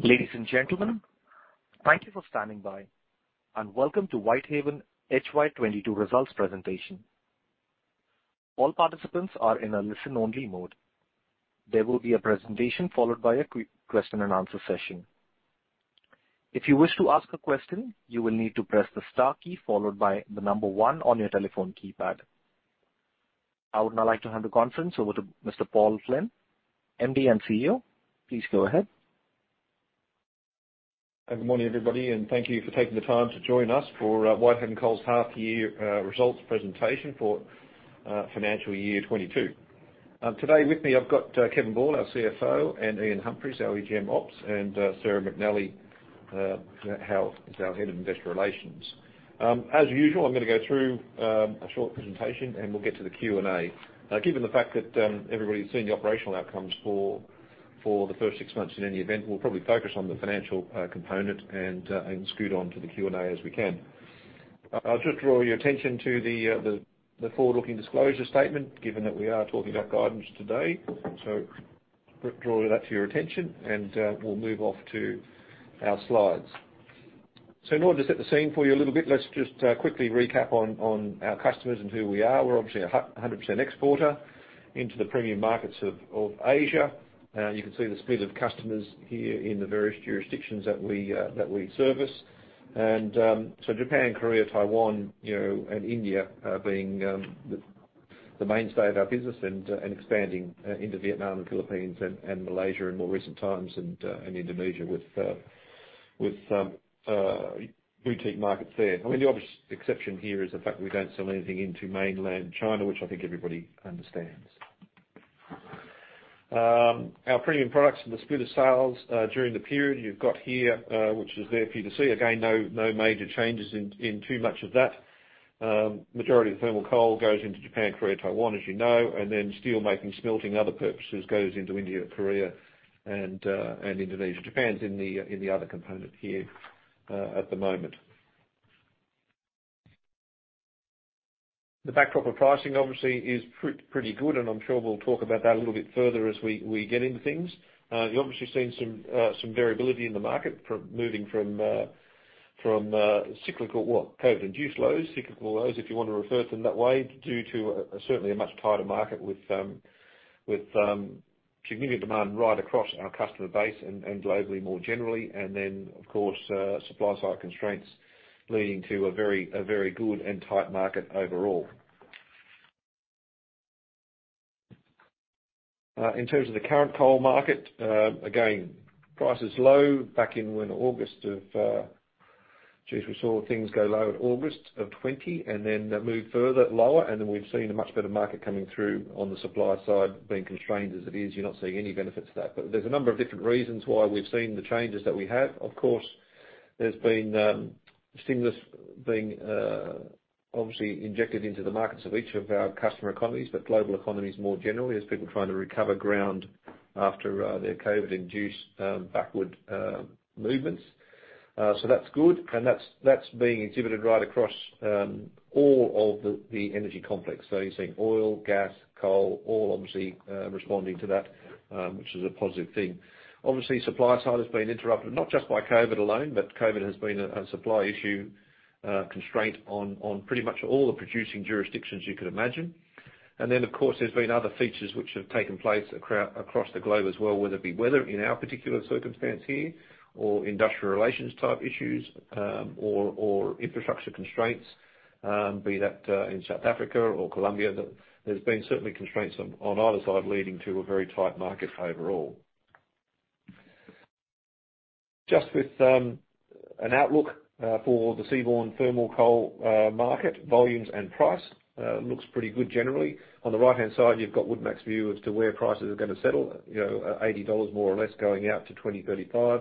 Ladies and gentlemen, thank you for standing by, and welcome to Whitehaven HY 2022 Results Presentation. All participants are in a listen-only mode. There will be a presentation followed by a quick question and answer session. If you wish to ask a question, you will need to press the star key followed by the number one on your telephone keypad. I would now like to hand the conference over to Mr. Paul Flynn, MD and CEO. Please go ahead. Good morning, everybody, and thank you for taking the time to join us for Whitehaven Coal's Half Year Results Presentation for financial year 2022. Today with me, I've got Kevin Ball, our CFO, and Ian Humphris, our EGM Ops, and Sarah McNally, our Head of Investor Relations. As usual, I'm going to go through a short presentation, and we'll get to the Q&A. Given the fact that everybody's seen the operational outcomes for the first six months, in any event, we'll probably focus on the financial component and scoot on to the Q&A as we can. I'll just draw your attention to the forward-looking disclosure statement, given that we are talking about guidance today. So I'll draw that to your attention, and we'll move off to our slides. So in order to set the scene for you a little bit, let's just quickly recap on our customers and who we are. We're obviously a 100% exporter into the premium markets of Asia. You can see the split of customers here in the various jurisdictions that we service, and so Japan, Korea, Taiwan, and India are being the mainstay of our business and expanding into Vietnam, the Philippines, and Malaysia in more recent times, and Indonesia with boutique markets there. I mean, the obvious exception here is the fact that we don't sell anything into mainland China, which I think everybody understands. Our premium products and the split of sales during the period you've got here, which is there for you to see. Again, no major changes in too much of that. The majority of the thermal coal goes into Japan, Korea, Taiwan, as you know, and then steelmaking, smelting, and other purposes go into India, Korea, and Indonesia. Japan's in the other component here at the moment. The backdrop of pricing obviously is pretty good, and I'm sure we'll talk about that a little bit further as we get into things. You've obviously seen some variability in the market moving from cyclical, well, COVID-induced lows, cyclical lows, if you want to refer to them that way, due to certainly a much tighter market with significant demand right across our customer base and globally more generally. And then, of course, supply-side constraints leading to a very good and tight market overall. In terms of the current coal market, again, price is low back in when August of, jeez, we saw things go low in August of 2020 and then move further lower. And then we've seen a much better market coming through on the supply side being constrained as it is. You're not seeing any benefits to that. But there's a number of different reasons why we've seen the changes that we have. Of course, there's been stimulus being obviously injected into the markets of each of our customer economies, but global economies more generally as people trying to recover ground after their COVID-induced backward movements. So that's good, and that's being exhibited right across all of the energy complex. So you're seeing oil, gas, coal, all obviously responding to that, which is a positive thing. Obviously, supply side has been interrupted, not just by COVID alone, but COVID has been a supply issue constraint on pretty much all the producing jurisdictions you could imagine. And then, of course, there's been other features which have taken place across the globe as well, whether it be weather in our particular circumstance here or industrial relations type issues or infrastructure constraints, be that in South Africa or Colombia. There's been certainly constraints on either side leading to a very tight market overall. Just with an outlook for the seaborne thermal coal market, volumes and price looks pretty good generally. On the right-hand side, you've got Wood Mackenzie view as to where prices are going to settle, $80 more or less going out to 2035.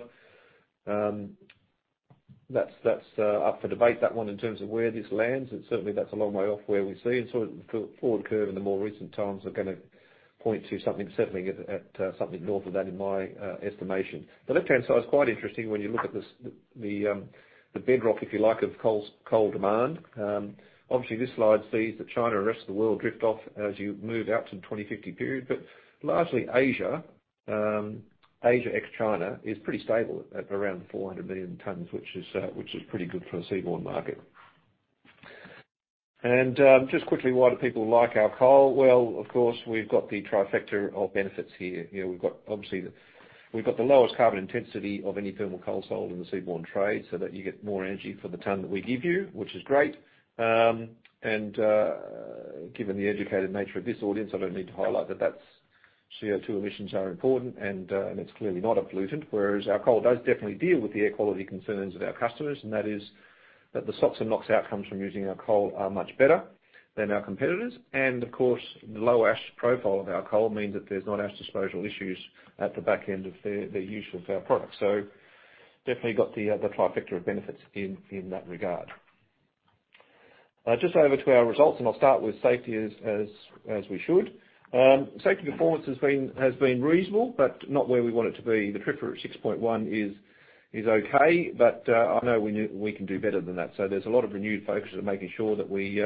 That's up for debate, that one, in terms of where this lands. And certainly, that's a long way off where we see. And so forward curve in the more recent times are going to point to something settling at something north of that in my estimation. The left-hand side is quite interesting when you look at the bedrock, if you like, of coal demand. Obviously, this slide sees that China and the rest of the world drift off as you move out to the 2050 period. But largely, Asia ex-China is pretty stable at around 400 million tons, which is pretty good for a seaborne market. And just quickly, why do people like our coal? Well, of course, we've got the trifecta of benefits here. We've got obviously the lowest carbon intensity of any thermal coal sold in the seaborne trade so that you get more energy for the ton that we give you, which is great. And given the educated nature of this audience, I don't need to highlight that CO2 emissions are important, and it's clearly not a pollutant. Whereas our coal does definitely deal with the air quality concerns of our customers, and that is that the SOx and NOx outcomes from using our coal are much better than our competitors. Of course, the low ash profile of our coal means that there's not ash disposal issues at the back end of the use of our products. Definitely got the trifecta of benefits in that regard. Just over to our results, and I'll start with safety as we should. Safety performance has been reasonable, but not where we want it to be. The trip through at 6.1 is okay, but I know we can do better than that. There's a lot of renewed focus on making sure that we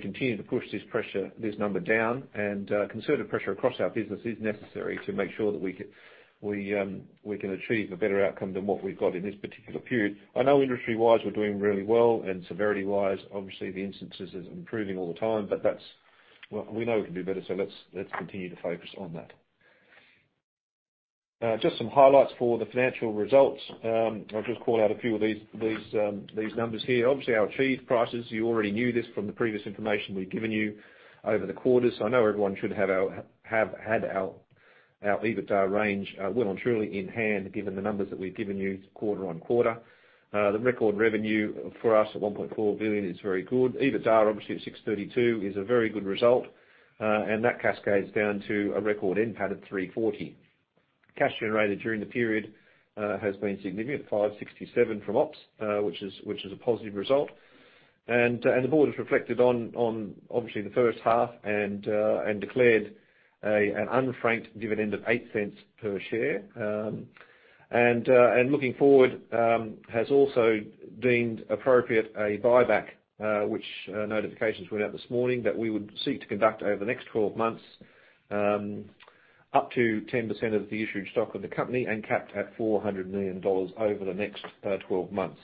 continue to push this number down. Concerted pressure across our business is necessary to make sure that we can achieve a better outcome than what we've got in this particular period. I know industry-wise we're doing really well, and severity-wise, obviously, the instances are improving all the time, but we know we can do better, so let's continue to focus on that. Just some highlights for the financial results. I'll just call out a few of these numbers here. Obviously, our achieved prices, you already knew this from the previous information we've given you over the quarters. I know everyone should have had our EBITDA range well and truly in hand given the numbers that we've given you QoQ. The record revenue for us at 1.4 billion is very good. EBITDA, obviously, at 632 million is a very good result, and that cascades down to a record NPAT at 340 million. Cash generated during the period has been significant, 567 million from Ops, which is a positive result. The Board has reflected on, obviously, the first half and declared an unfranked dividend of 0.08 per share. Looking forward, has also deemed appropriate a buyback, which notifications went out this morning that we would seek to conduct over the next 12 months up to 10% of the issued stock of the company and capped at 400 million dollars over the next 12 months.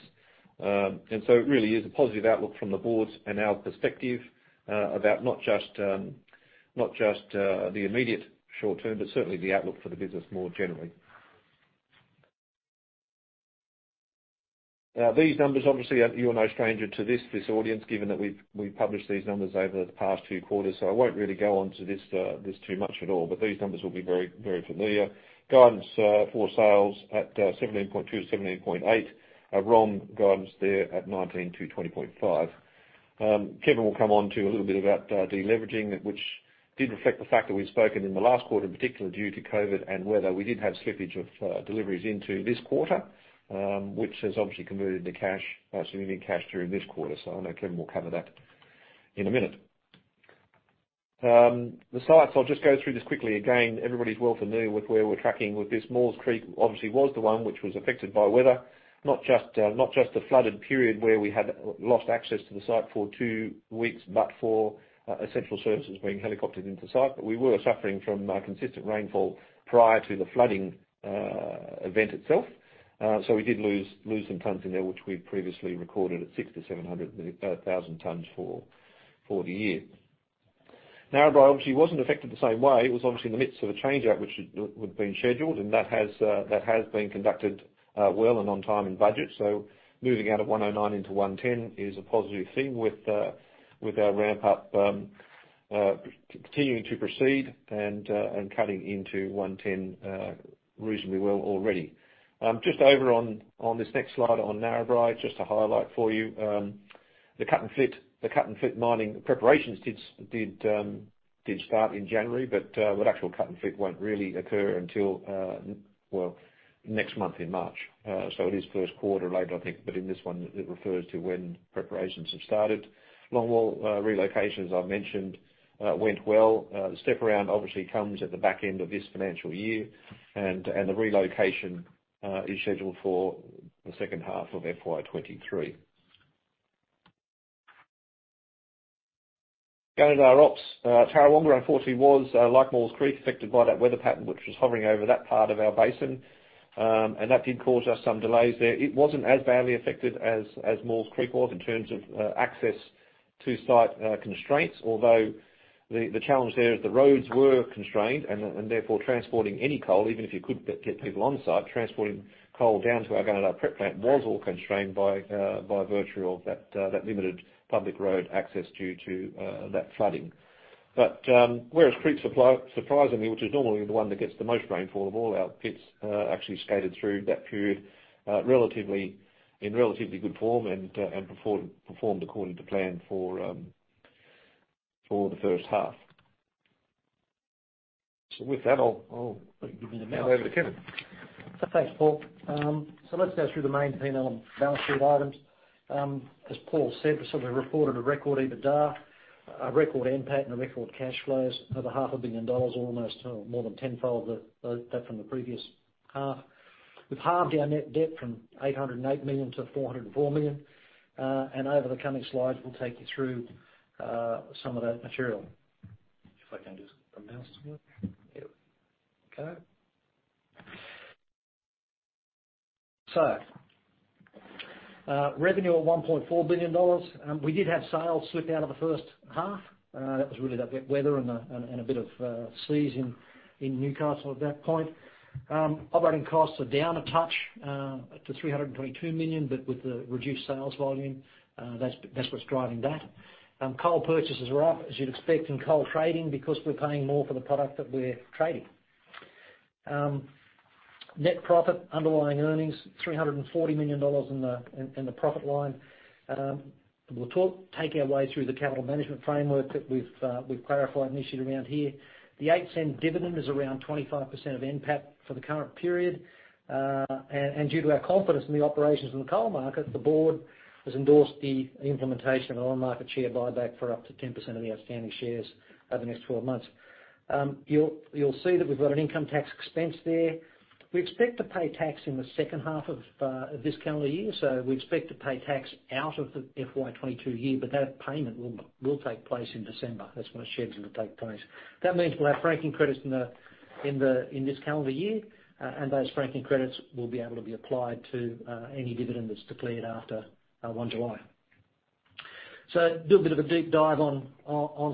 So it really is a positive outlook from the Board and our perspective about not just the immediate short term, but certainly the outlook for the business more generally. Now, these numbers, obviously, you're no stranger to this audience, given that we've published these numbers over the past two quarters. I won't really go on to this too much at all, but these numbers will be very familiar. Guidance for sales at 17.2-17.8, a ROM guidance there at 19-20.5. Kevin will come on to a little bit about deleveraging, which did reflect the fact that we've spoken in the last quarter, in particular due to COVID and weather. We did have slippage of deliveries into this quarter, which has obviously converted into cash, significant cash during this quarter. So I know Kevin will cover that in a minute. The sites, I'll just go through this quickly again. Everybody's well familiar with where we're tracking with this. Maules Creek obviously was the one which was affected by weather, not just the flooded period where we had lost access to the site for two weeks, but for essential services being helicoptered into site. But we were suffering from consistent rainfall prior to the flooding event itself. So we did lose some tons in there, which we previously recorded at six to 700,000 tons for the year. Narrabri, obviously, wasn't affected the same way. It was obviously in the midst of a change-out which had been scheduled, and that has been conducted well and on time and budget. So moving out of 109 into 110 is a positive thing with our ramp-up continuing to proceed and cutting into 110 reasonably well already. Just over on this next slide on Narrabri, just to highlight for you, the cut and fill mining preparations did start in January, but the actual cut and fill won't really occur until, well, next month in March. So it is first quarter later, I think, but in this one, it refers to when preparations have started. Longwall relocation, as I mentioned, went well. The step around obviously comes at the back end of this financial year, and the relocation is scheduled for the second half of FY 2023. Going into our Ops, Tarrawonga, unfortunately, was like Maules Creek affected by that weather pattern, which was hovering over that part of our basin, and that did cause us some delays there. It wasn't as badly affected as Maules Creek was in terms of access to site constraints, although the challenge there is the roads were constrained, and therefore transporting any coal, even if you could get people on site, transporting coal down to our Gunnedah prep plant was all constrained by virtue of that limited public road access due to that flooding. But Werris Creek, surprisingly, which is normally the one that gets the most rainfall of all our pits, actually skated through that period in relatively good form and performed according to plan for the first half. So with that, I'll give you the mouse. Over to Kevin. Thanks, Paul. So let's go through the main panel balance sheet items. As Paul said, we sort of reported a record EBITDA, a record NPAT, a record cash flows of 500 million dollars, almost more than tenfold that from the previous half. We've halved our net debt from 808 million to 404 million. And over the coming slides, we'll take you through some of that material. If I can just unmute somewhere. Yeah. Okay. So revenue at 1.4 billion dollars. We did have sales slip out of the first half. That was really that wet weather and a bit of squeezing in Newcastle at that point. Operating costs are down a touch to 322 million, but with the reduced sales volume, that's what's driving that. Coal purchases are up, as you'd expect, in coal trading because we're paying more for the product that we're trading. Net profit, underlying earnings, 340 million dollars in the profit line. We'll walk you through the capital management framework that we've clarified initially around here. The 0.08 dividend is around 25% of NPAT for the current period. And due to our confidence in the operations in the coal market, the board has endorsed the implementation of an on-market share buyback for up to 10% of the outstanding shares over the next 12 months. You'll see that we've got an income tax expense there. We expect to pay tax in the second half of this calendar year. So we expect to pay tax out of the FY 2022 year, but that payment will take place in December. That's when shares will take place. That means we'll have franking credits in this calendar year, and those franking credits will be able to be applied to any dividend that's declared after 1 July. So a little bit of a deep dive on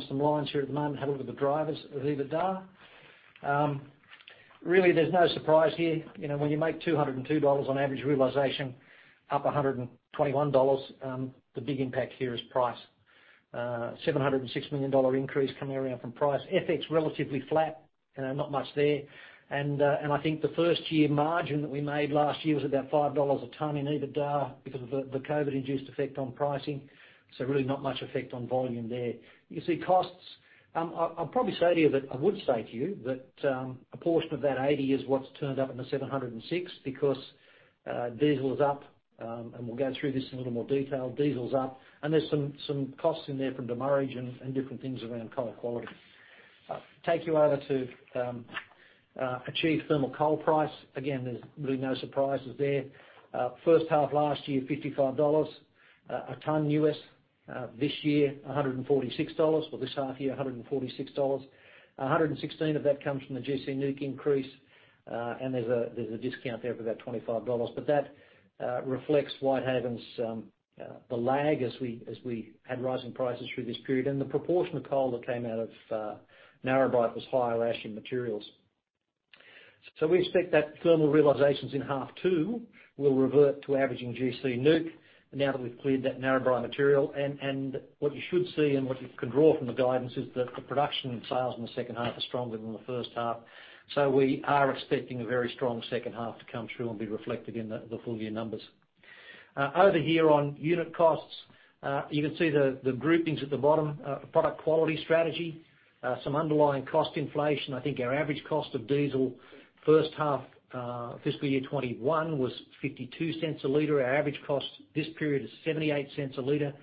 some lines here at the moment. Have a look at the drivers of EBITDA. Really, there's no surprise here. When you make 202 dollars on average realization, up 121 dollars, the big impact here is price. 706 million dollar increase coming around from price. FX relatively flat, not much there. I think the first year margin that we made last year was about 5 dollars a tonne in EBITDA because of the COVID-induced effect on pricing. So really not much effect on volume there. You see costs. I'll probably say to you that I would say to you that a portion of that 80 is what's turned up in the 706 because diesel is up, and we'll go through this in a little more detail. Diesel's up, and there's some costs in there from demurrage and different things around coal quality. Take you over to achieved thermal coal price. Again, there's really no surprises there. First half last year, $55 a tonne US. This year, $146. Well, this half year, $146. $116 of that comes from the gC NEWC increase, and there's a discount there for that $25. But that reflects Whitehaven's the lag as we had rising prices through this period. And the proportion of coal that came out of Narrabri was higher last year in materials. So we expect that thermal realizations in half two will revert to averaging gC NEWC now that we've cleared that Narrabri material. And what you should see and what you can draw from the guidance is that the production sales in the second half are stronger than the first half. So we are expecting a very strong second half to come through and be reflected in the full year numbers. Over here on unit costs, you can see the groupings at the bottom, product quality strategy, some underlying cost inflation. I think our average cost of diesel f irst half fiscal year 2021 was 0.52 a liter. Our average cost this period is 0.78 a liter.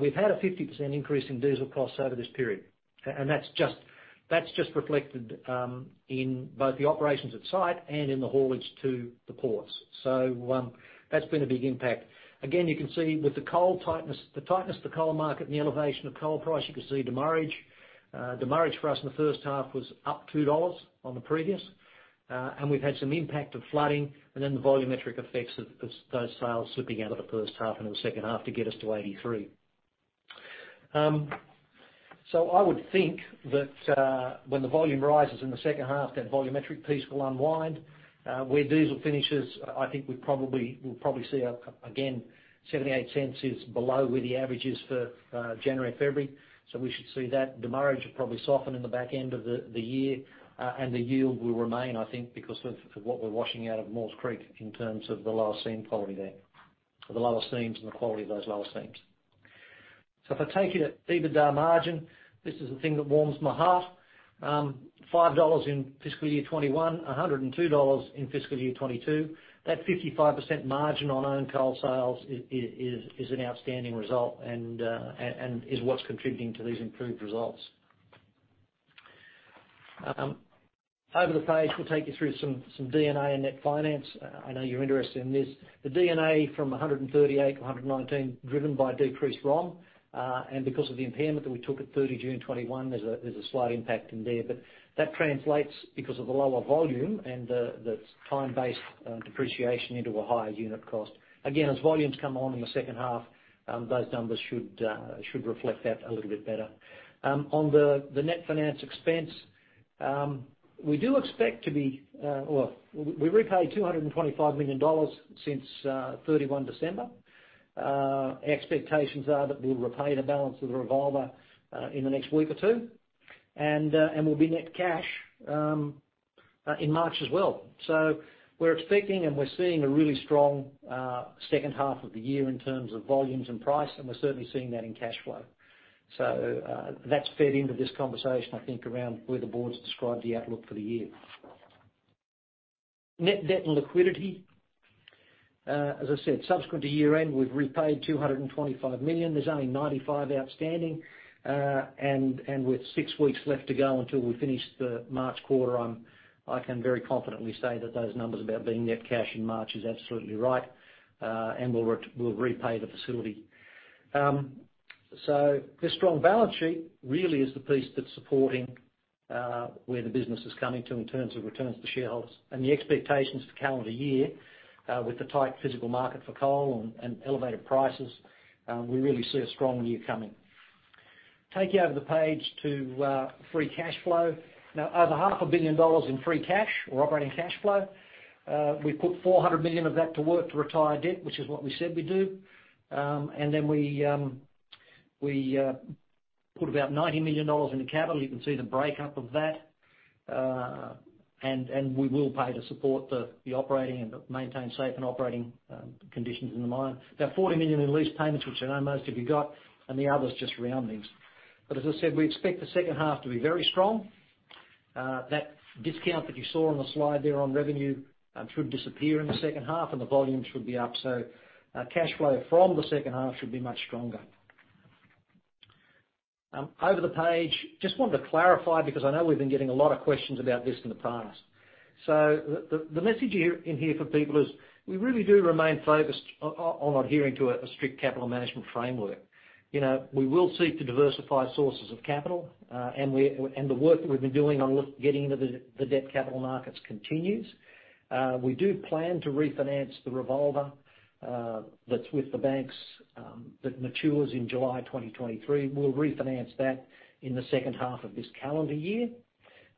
We've had a 50% increase in diesel costs over this period. And that's just reflected in both the operations at site and in the haulage to the ports. So that's been a big impact. Again, you can see with the tightness of the coal market and the elevation of coal price, you can see demurrage. Demurrage for us in the first half was up 2 dollars on the previous. And we've had some impact of flooding and then the volumetric effects of those sales slipping out of the first half and the second half to get us to 83. So I would think that when the volume rises in the second half, that volumetric piece will unwind. Where diesel finishes, I think we'll probably see again 0.78 is below where the average is for January and February. So we should see that. Demurrage will probably soften in the back end of the year, and the yield will remain, I think, because of what we're washing out of Maules Creek in terms of the lower seam quality there, the lower seams and the quality of those lower seams. So if I take it at EBITDA margin, this is the thing that warms my heart. $5 in fiscal year 2021, $102 in fiscal year 2022. That 55% margin on own coal sales is an outstanding result and is what's contributing to these improved results. Over the page, we'll take you through some D&A and net finance. I know you're interested in this. The D&A from 138 to 119, driven by decreased ROM. Because of the impairment that we took at 30 June 2021, there's a slight impact in there. But that translates because of the lower volume and the time-based depreciation into a higher unit cost. Again, as volumes come on in the second half, those numbers should reflect that a little bit better. On the net finance expense, we do expect to be well, we repaid 225 million dollars since 31 December. Expectations are that we'll repay the balance of the revolver in the next week or two, and we'll be net cash in March as well. So we're expecting and we're seeing a really strong second half of the year in terms of volumes and price, and we're certainly seeing that in cash flow. So that's fed into this conversation, I think, around where the board's described the outlook for the year. Net debt and liquidity. As I said, subsequent to year-end, we've repaid 225 million. There's only 95 outstanding, and with six weeks left to go until we finish the March quarter. I can very confidently say that those numbers about being net cash in March is absolutely right, and we'll repay the facility. The strong balance sheet really is the piece that's supporting where the business is coming to in terms of returns to shareholders. The expectations for calendar year, with the tight physical market for coal and elevated prices, we really see a strong year coming. Take you over the page to free cash flow. Now, over 500 million dollars in free cash or operating cash flow. We put 400 million of that to work to retire debt, which is what we said we do. Then we put about 90 million dollars in the capital. You can see the breakup of that. We will pay to support the operating and maintain safe and operating conditions in the mine. Now, 40 million in lease payments, which I know most of you got, and the others just roundings. As I said, we expect the second half to be very strong. That discount that you saw on the slide there on revenue should disappear in the second half, and the volume should be up. Cash flow from the second half should be much stronger. Over the page, just want to clarify because I know we've been getting a lot of questions about this in the past. The message in here for people is we really do remain focused on adhering to a strict capital management framework. We will seek to diversify sources of capital, and the work that we've been doing on getting into the debt capital markets continues. We do plan to refinance the revolver that's with the banks that matures in July 2023. We'll refinance that in the second half of this calendar year,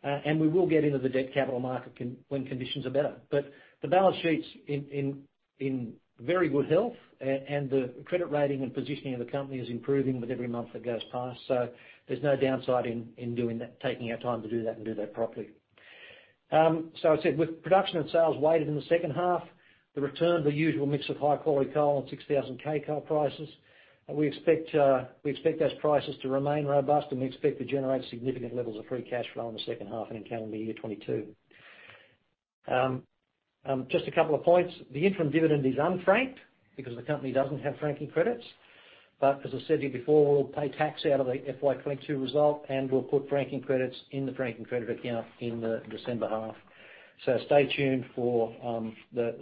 and we will get into the debt capital market when conditions are better. But the balance sheet's in very good health, and the credit rating and positioning of the company is improving with every month that goes past. So there's no downside in taking our time to do that and do that properly. So I said, with production and sales weighted in the second half, the return to the usual mix of high-quality coal and 6,000 K coal prices, we expect those prices to remain robust, and we expect to generate significant levels of free cash flow in the second half and in calendar year 2022. Just a couple of points. The interim dividend is unfranked because the company doesn't have franking credits. But as I said to you before, we'll pay tax out of the FY 2022 result, and we'll put franking credits in the franking credit account in the December half. So stay tuned for the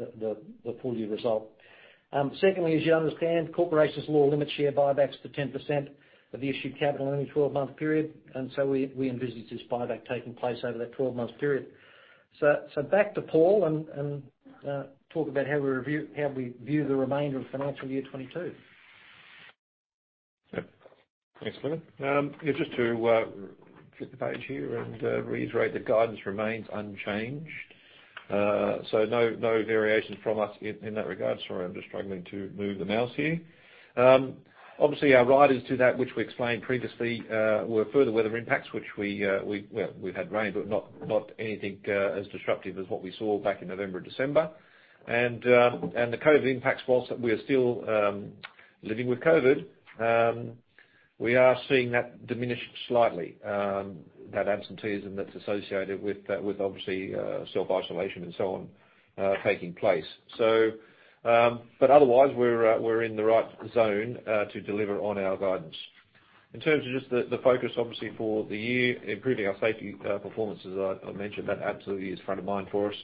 full year result. Secondly, as you understand, Corporations Law limits share buybacks to 10% of the issued capital in a 12-month period. And so we envisage this buyback taking place over that 12-month period. So back to Paul and talk about how we view the remainder of financial year 2022. Thanks, Flynn. Just to flip the page here and reiterate that guidance remains unchanged. So no variations from us in that regard. Sorry, I'm just struggling to move the mouse here. Obviously, our riders to that, which we explained previously, were further weather impacts, which we had rain, but not anything as disruptive as what we saw back in November and December, and the COVID impacts, while we are still living with COVID, we are seeing that diminish slightly, that absenteeism that's associated with obviously self-isolation and so on taking place, but otherwise, we're in the right zone to deliver on our guidance. In terms of just the focus, obviously, for the year, improving our safety performances, as I mentioned, that absolutely is front of mind for us.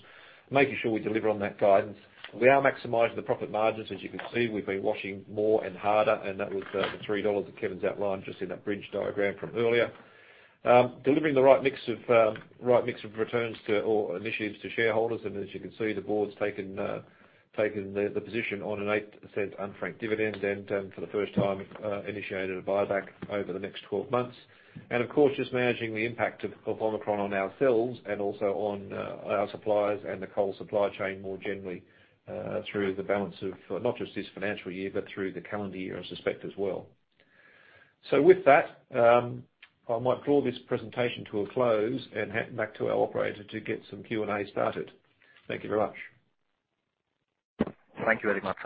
Making sure we deliver on that guidance. We are maximizing the profit margins, as you can see. We've been washing more and harder, and that was the $3 that Kevin's outlined just in that bridge diagram from earlier. Delivering the right mix of returns or initiatives to shareholders. And as you can see, the board's taken the position on a 0.08 unfranked dividend and for the first time initiated a buyback over the next 12 months. And of course, just managing the impact of Omicron on ourselves and also on our suppliers and the coal supply chain more generally through the balance of not just this financial year, but through the calendar year, I suspect, as well. So with that, I might draw this presentation to a close and hand it back to our operator to get some Q&A started. Thank you very much. Thank you very much.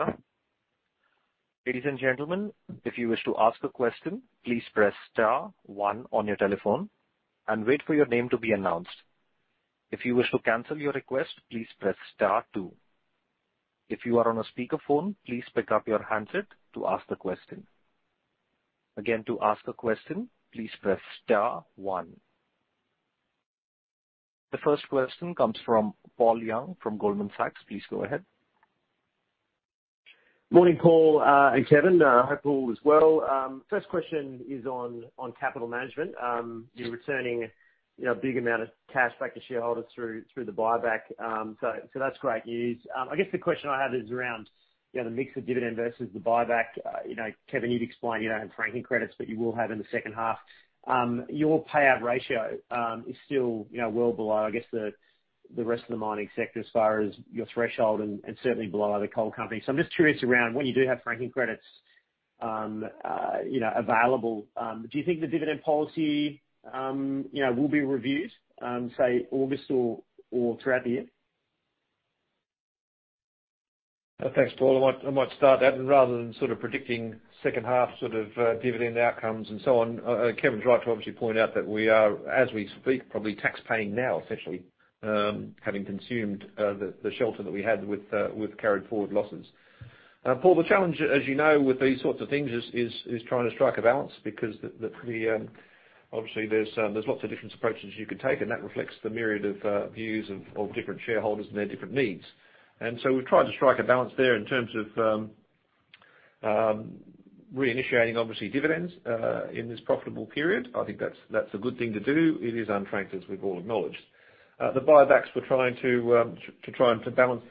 Ladies and gentlemen, if you wish to ask a question, please press star one on your telephone and wait for your name to be announced. If you wish to cancel your request, please press star two. If you are on a speakerphone, please pick up your handset to ask the question. Again, to ask a question, please press star one. The first question comes from Paul Young from Goldman Sachs. Please go ahead. Morning, Paul and Kevin. I hope Paul was well. First question is on capital management. You're returning a big amount of cash back to shareholders through the buyback. So that's great news. I guess the question I had is around the mix of dividend versus the buyback. Kevin, you've explained you don't have franking credits, but you will have in the second half. Your payout ratio is still well below, I guess, the rest of the mining sector as far as your threshold and certainly below other coal companies. So I'm just curious around when you do have franking credits available, do you think the dividend policy will be reviewed, say, August or throughout the year? Thanks, Paul. I might start that. Rather than sort of predicting second half sort of dividend outcomes and so on, Kevin's right to obviously point out that we are, as we speak, probably taxpaying now, essentially, having consumed the shelter that we had with carried forward losses. Paul, the challenge, as you know, with these sorts of things is trying to strike a balance because obviously there's lots of different approaches you could take, and that reflects the myriad of views of different shareholders and their different needs, and so we've tried to strike a balance there in terms of reinitiating, obviously, dividends in this profitable period. I think that's a good thing to do. It is unfranked, as we've all acknowledged. The buybacks, we're trying to balance,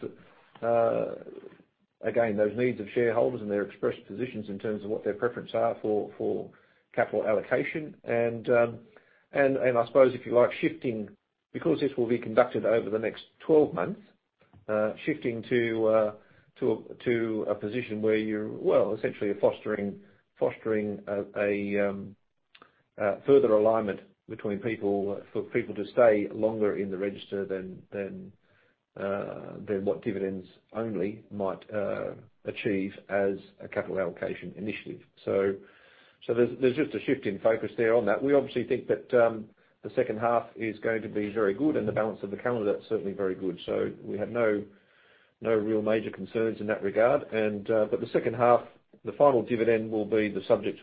again, those needs of shareholders and their expressed positions in terms of what their preferences are for capital allocation. I suppose, if you like, shifting, because this will be conducted over the next 12 months, shifting to a position where you're, well, essentially fostering a further alignment between people for people to stay longer in the register than what dividends only might achieve as a capital allocation initiative. So there's just a shift in focus there on that. We obviously think that the second half is going to be very good, and the balance of the calendar is certainly very good. So we have no real major concerns in that regard. But the second half, the final dividend will be the subject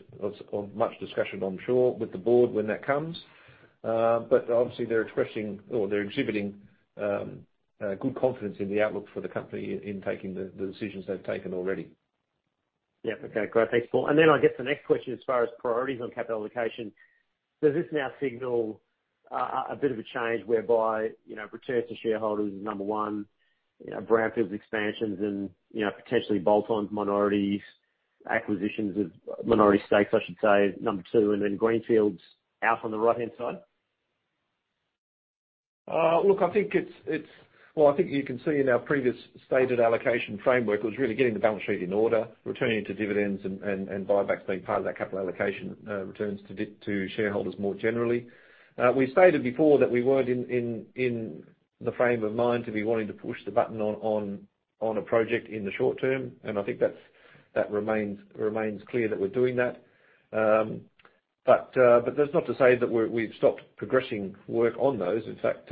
of much discussion, I'm sure, with the board when that comes. But obviously, they're expressing or they're exhibiting good confidence in the outlook for the company in taking the decisions they've taken already. Yeah. Okay. Great. Thanks, Paul. And then I guess the next question as far as priorities on capital allocation, does this now signal a bit of a change whereby returns to shareholders is number one, brownfields expansions and potentially bolt-on minorities, acquisitions of minority stakes, I should say, number two, and then greenfields out on the right-hand side? Look, I think it's, well, I think you can see in our previous stated allocation framework, it was really getting the balance sheet in order, returning to dividends and buybacks being part of that capital allocation, returns to shareholders more generally. We stated before that we weren't in the frame of mind to be wanting to push the button on a project in the short term, and I think that remains clear that we're doing that. But that's not to say that we've stopped progressing work on those. In fact,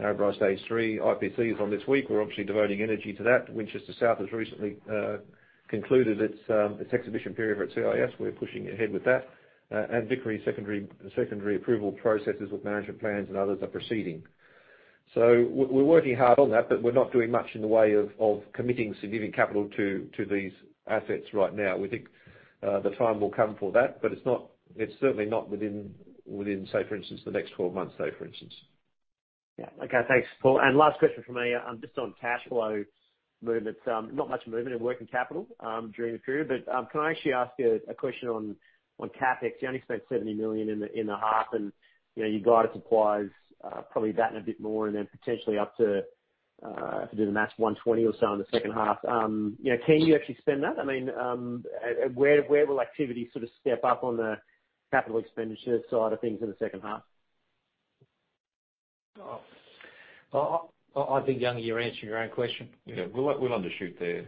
Narrabri Stage 3, EIS is on this week. We're obviously devoting energy to that. Winchester South has recently concluded its exhibition period for its EIS. We're pushing ahead with that. And Vickery's secondary approval processes with management plans and others are proceeding. So we're working hard on that, but we're not doing much in the way of committing significant capital to these assets right now. We think the time will come for that, but it's certainly not within, say, for instance, the next 12 months, say, for instance. Yeah. Okay. Thanks, Paul. And last question from me. I'm just on cash flow movements. Not much movement in working capital during the period, but can I actually ask you a question on CapEx? You only spent 70 million in the half, and you guided supplies, probably that and a bit more, and then potentially up to, if I do the math, 120 million or so in the second half. Can you actually spend that? I mean, where will activity sort of step up on the capital expenditure side of things in the second half? I think, Young, you're answering your own question. We'll undershoot there.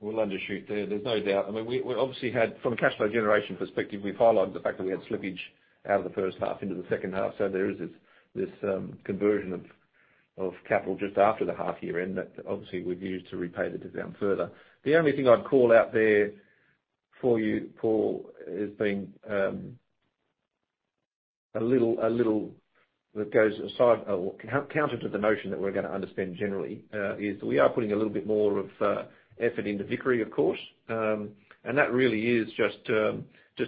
We'll undershoot there. There's no doubt. I mean, we obviously had, from a cash flow generation perspective, we've highlighted the fact that we had slippage out of the first half into the second half. So there is this conversion of capital just after the half year end that obviously we've used to repay the dividend further. The only thing I'd call out there for you, Paul, is being a little that goes aside or counter to the notion that we're going to undershoot generally is that we are putting a little bit more effort into Vickery, of course. And that really is just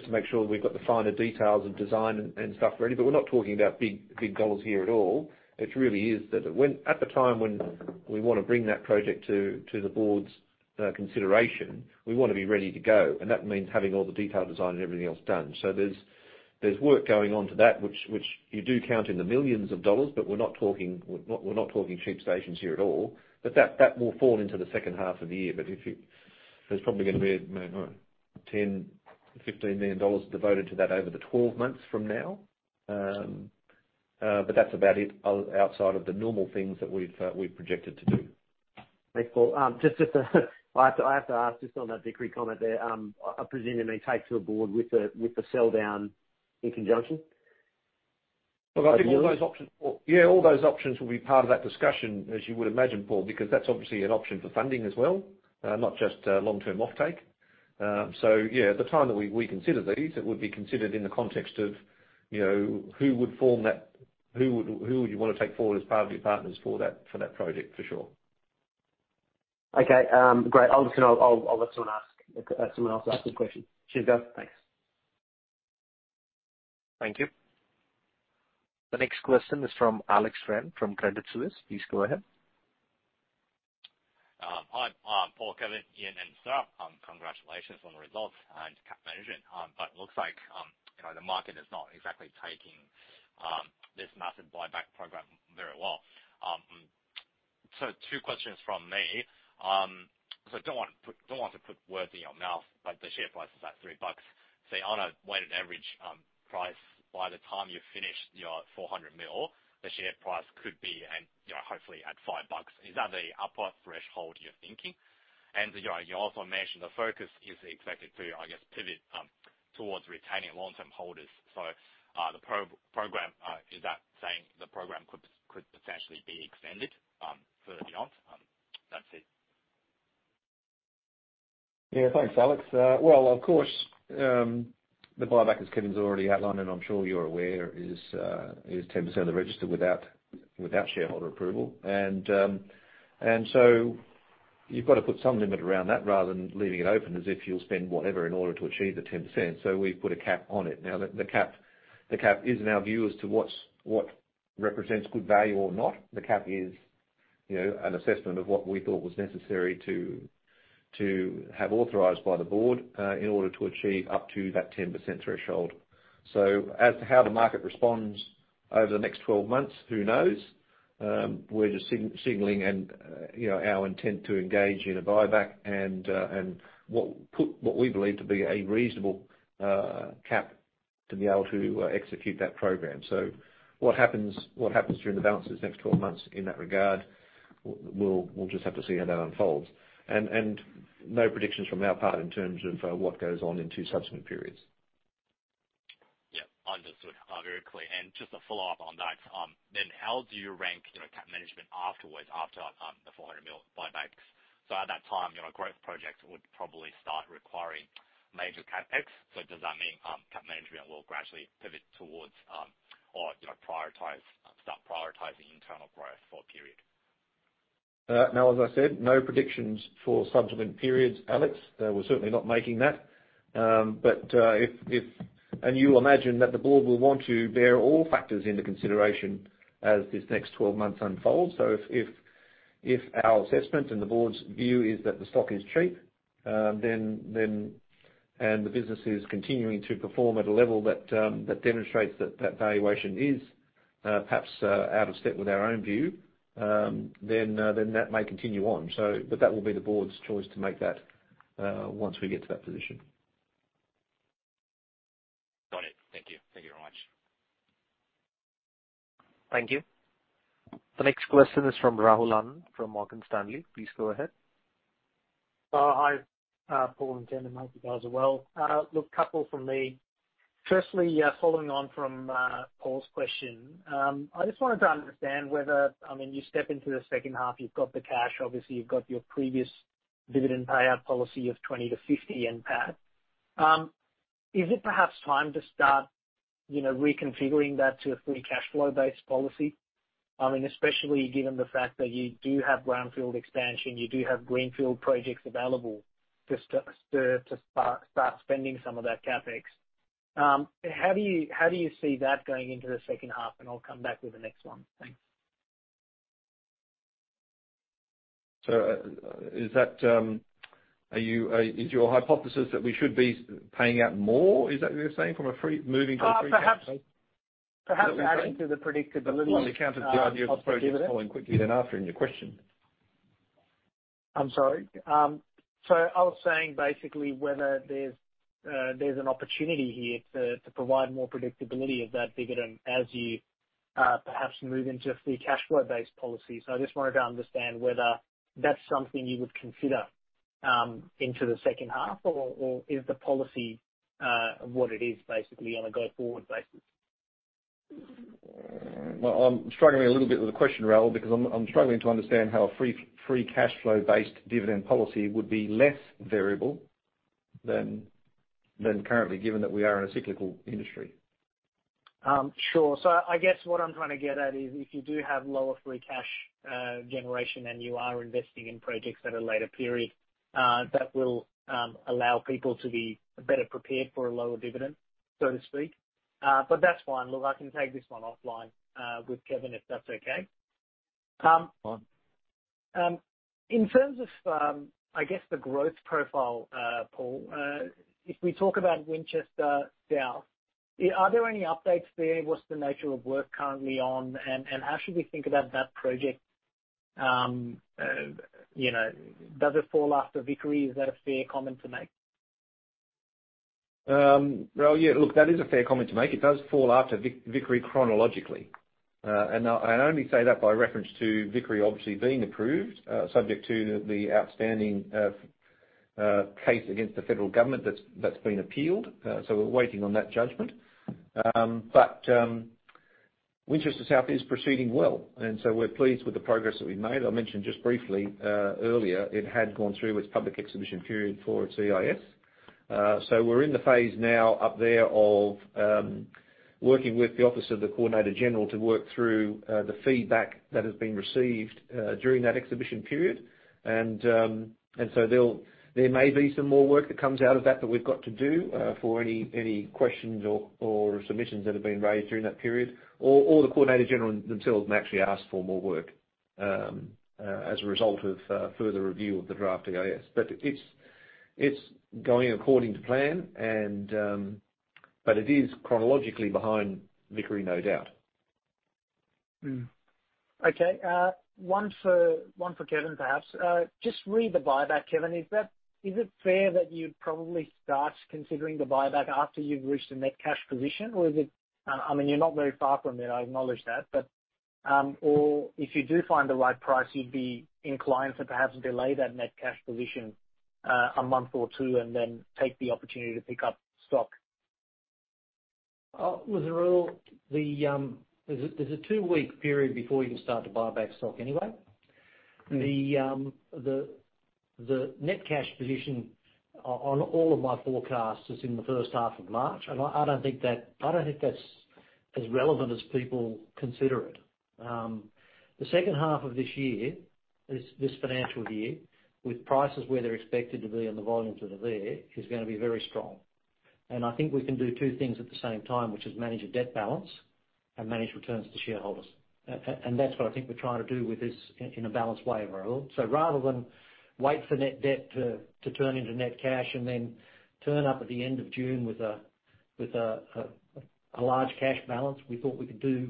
to make sure we've got the finer details of design and stuff ready. But we're not talking about big dollars here at all. It really is that at the time when we want to bring that project to the board's consideration, we want to be ready to go. And that means having all the detailed design and everything else done. So there's work going on to that, which you do count in the millions of dollars, but we're not talking cheap stations here at all. But that will fall into the second half of the year. But there's probably going to be 10 million-15 million dollars devoted to that over the 12 months from now. But that's about it outside of the normal things that we've projected to do. Thanks, Paul. I have to ask just on that Vickery comment there, I presume it may take to a board with the sell down in conjunction? Look, I think all those options, Paul, yeah, all those options will be part of that discussion, as you would imagine, Paul, because that's obviously an option for funding as well, not just long-term offtake. So yeah, at the time that we consider these, it would be considered in the context of who would you want to take forward as part of your partners for that project, for sure. Okay. Great. I'll let someone ask someone else to ask this question. Cheers, guys. Thanks. Thank you. The next question is from Alex Ren from Credit Suisse. Please go ahead. Hi, Paul, Kevin, Ian, and Sarah. Congratulations on the results and cap management. But it looks like the market is not exactly taking this massive buyback program very well. So two questions from me. So don't want to put words in your mouth, but the share price is at $3. Say on a weighted average price, by the time you finish your 400 million, the share price could be hopefully at $5. Is that the upper threshold you're thinking? And you also mentioned the focus is expected to, I guess, pivot towards retaining long-term holders. So the program, is that saying the program could potentially be extended further beyond? That's it. Yeah. Thanks, Alex. Well, of course, the buyback, as Kevin's already outlined, and I'm sure you're aware, is 10% of the register without shareholder approval. And so you've got to put some limit around that rather than leaving it open as if you'll spend whatever in order to achieve the 10%. So we've put a cap on it. Now, the cap is in our view as to what represents good value or not. The cap is an assessment of what we thought was necessary to have authorized by the board in order to achieve up to that 10% threshold. So as to how the market responds over the next 12 months, who knows? We're just signaling our intent to engage in a buyback and what we believe to be a reasonable cap to be able to execute that program. So what happens during the balance of these next 12 months in that regard, we'll just have to see how that unfolds. And no predictions from our part in terms of what goes on into subsequent periods. Yeah. Understood. Very clear. And just a follow-up on that. Then how do you rank CapEx management afterwards after the 400 million buybacks? So at that time, growth projects would probably start requiring major CapEx. So does that mean CapEx management will gradually pivot towards or start prioritizing internal growth for a period? Now, as I said, no predictions for subsequent periods, Alex. We're certainly not making that. And you imagine that the board will want to bear all factors into consideration as these next 12 months unfold. So if our assessment and the board's view is that the stock is cheap and the business is continuing to perform at a level that demonstrates that that valuation is perhaps out of step with our own view, then that may continue on. But that will be the board's choice to make that once we get to that position. Got it. Thank you. Thank you very much. Thank you. The next question is from Rahul Anand from Morgan Stanley. Please go ahead. Hi, Paul and Kevin. Hope you guys are well. Look, a couple from me. Firstly, following on from Paul's question, I just wanted to understand whether, I mean, you step into the second half, you've got the cash, obviously you've got your previous dividend payout policy of 20 to 50 NPAT. Is it perhaps time to start reconfiguring that to a free cash flow based policy? I mean, especially given the fact that you do have brownfield expansion, you do have greenfield projects available to start spending some of that CapEx. How do you see that going into the second half? And I'll come back with the next one. Thanks. So is your hypothesis that we should be paying out more? Is that what you're saying from moving to a free cash flow? Perhaps adding to the predictability. I wasn't counting the idea of the project falling quickly thereafter in your question. I'm sorry. So I was saying basically whether there's an opportunity here to provide more predictability of that dividend as you perhaps move into a free cash flow-based policy. So I just wanted to understand whether that's something you would consider into the second half, or is the policy what it is basically on a go-forward basis? I'm struggling a little bit with the question, Rahul, because I'm struggling to understand how free cash flow-based dividend policy would be less variable than currently, given that we are in a cyclical industry. Sure. So I guess what I'm trying to get at is if you do have lower free cash generation and you are investing in projects at a later period, that will allow people to be better prepared for a lower dividend, so to speak. But that's fine. Look, I can take this one offline with Kevin if that's okay. Fine. In terms of, I guess, the growth profile, Paul, if we talk about Winchester South, are there any updates there? What's the nature of work currently on? And how should we think about that project? Does it fall after Vickery? Is that a fair comment to make? Yeah, look, that is a fair comment to make. It does fall after Vickery chronologically, and I only say that by reference to Vickery obviously being approved, subject to the outstanding case against the federal government that's been appealed, so we're waiting on that judgment. But Winchester South is proceeding well, and so we're pleased with the progress that we've made. I mentioned just briefly earlier it had gone through its public exhibition period for EIS, so we're in the phase now up there of working with the Office of the Coordinator General to work through the feedback that has been received during that exhibition period, and so there may be some more work that comes out of that that we've got to do for any questions or submissions that have been raised during that period. Or the Coordinator General themselves may actually ask for more work as a result of further review of the draft EIS. But it's going according to plan, but it is chronologically behind Vickery, no doubt. Okay. One for Kevin, perhaps. Regarding the buyback, Kevin. Is it fair that you'd probably start considering the buyback after you've reached a net cash position? Or is it, I mean, you're not very far from it, I acknowledge that. Or if you do find the right price, you'd be inclined to perhaps delay that net cash position a month or two and then take the opportunity to pick up stock? There's a two-week period before you can start to buy back stock anyway. The net cash position on all of my forecasts is in the first half of March. I don't think that's as relevant as people consider it. The second half of this year, this financial year, with prices where they're expected to be and the volumes that are there, is going to be very strong. I think we can do two things at the same time, which is manage a debt balance and manage returns to shareholders. That's what I think we're trying to do with this in a balanced way, Rahul. So rather than wait for net debt to turn into net cash and then turn up at the end of June with a large cash balance, we thought we could do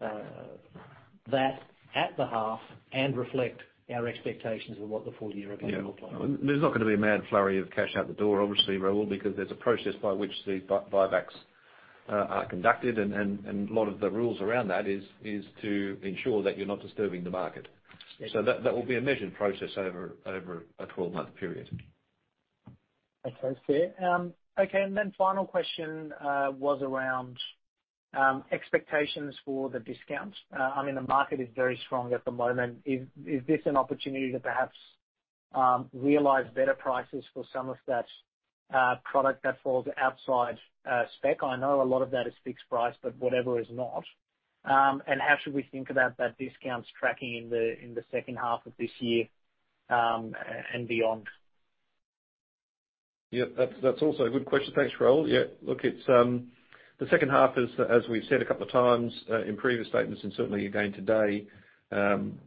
that at the half and reflect our expectations of what the full year is going to look like. There's not going to be a mad flurry of cash out the door, obviously, Rahul, because there's a process by which these buybacks are conducted. And a lot of the rules around that is to ensure that you're not disturbing the market. So that will be a measured process over a 12-month period. Okay. Fair. Okay. And then final question was around expectations for the discount. I mean, the market is very strong at the moment. Is this an opportunity to perhaps realize better prices for some of that product that falls outside spec? I know a lot of that is fixed price, but whatever is not. And how should we think about that discounts tracking in the second half of this year and beyond? Yep. That's also a good question. Thanks, Rahul. Yeah. Look, the second half is, as we've said a couple of times in previous statements and certainly again today,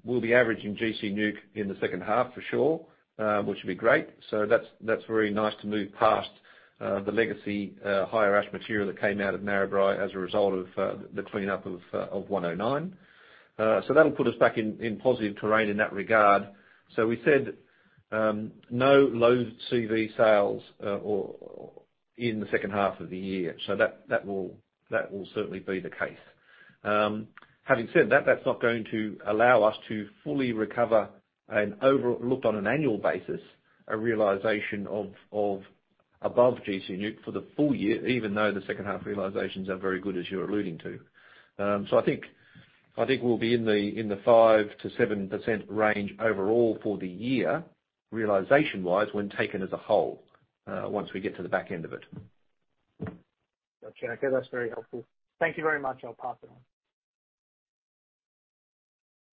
we'll be averaging gC NEWC in the second half for sure, which would be great. So that's very nice to move past the legacy higher-ash material that came out of Narrabri as a result of the cleanup of 109. So that'll put us back in positive terrain in that regard. So we said no low CV sales in the second half of the year. So that will certainly be the case. Having said that, that's not going to allow us to fully recover an overall look on an annual basis, a realization of above gC NEWC for the full year, even though the second half realizations are very good, as you're alluding to. So I think we'll be in the 5%-7% range overall for the year, realization-wise, when taken as a whole, once we get to the back end of it. Okay. Okay. That's very helpful. Thank you very much. I'll pass it on.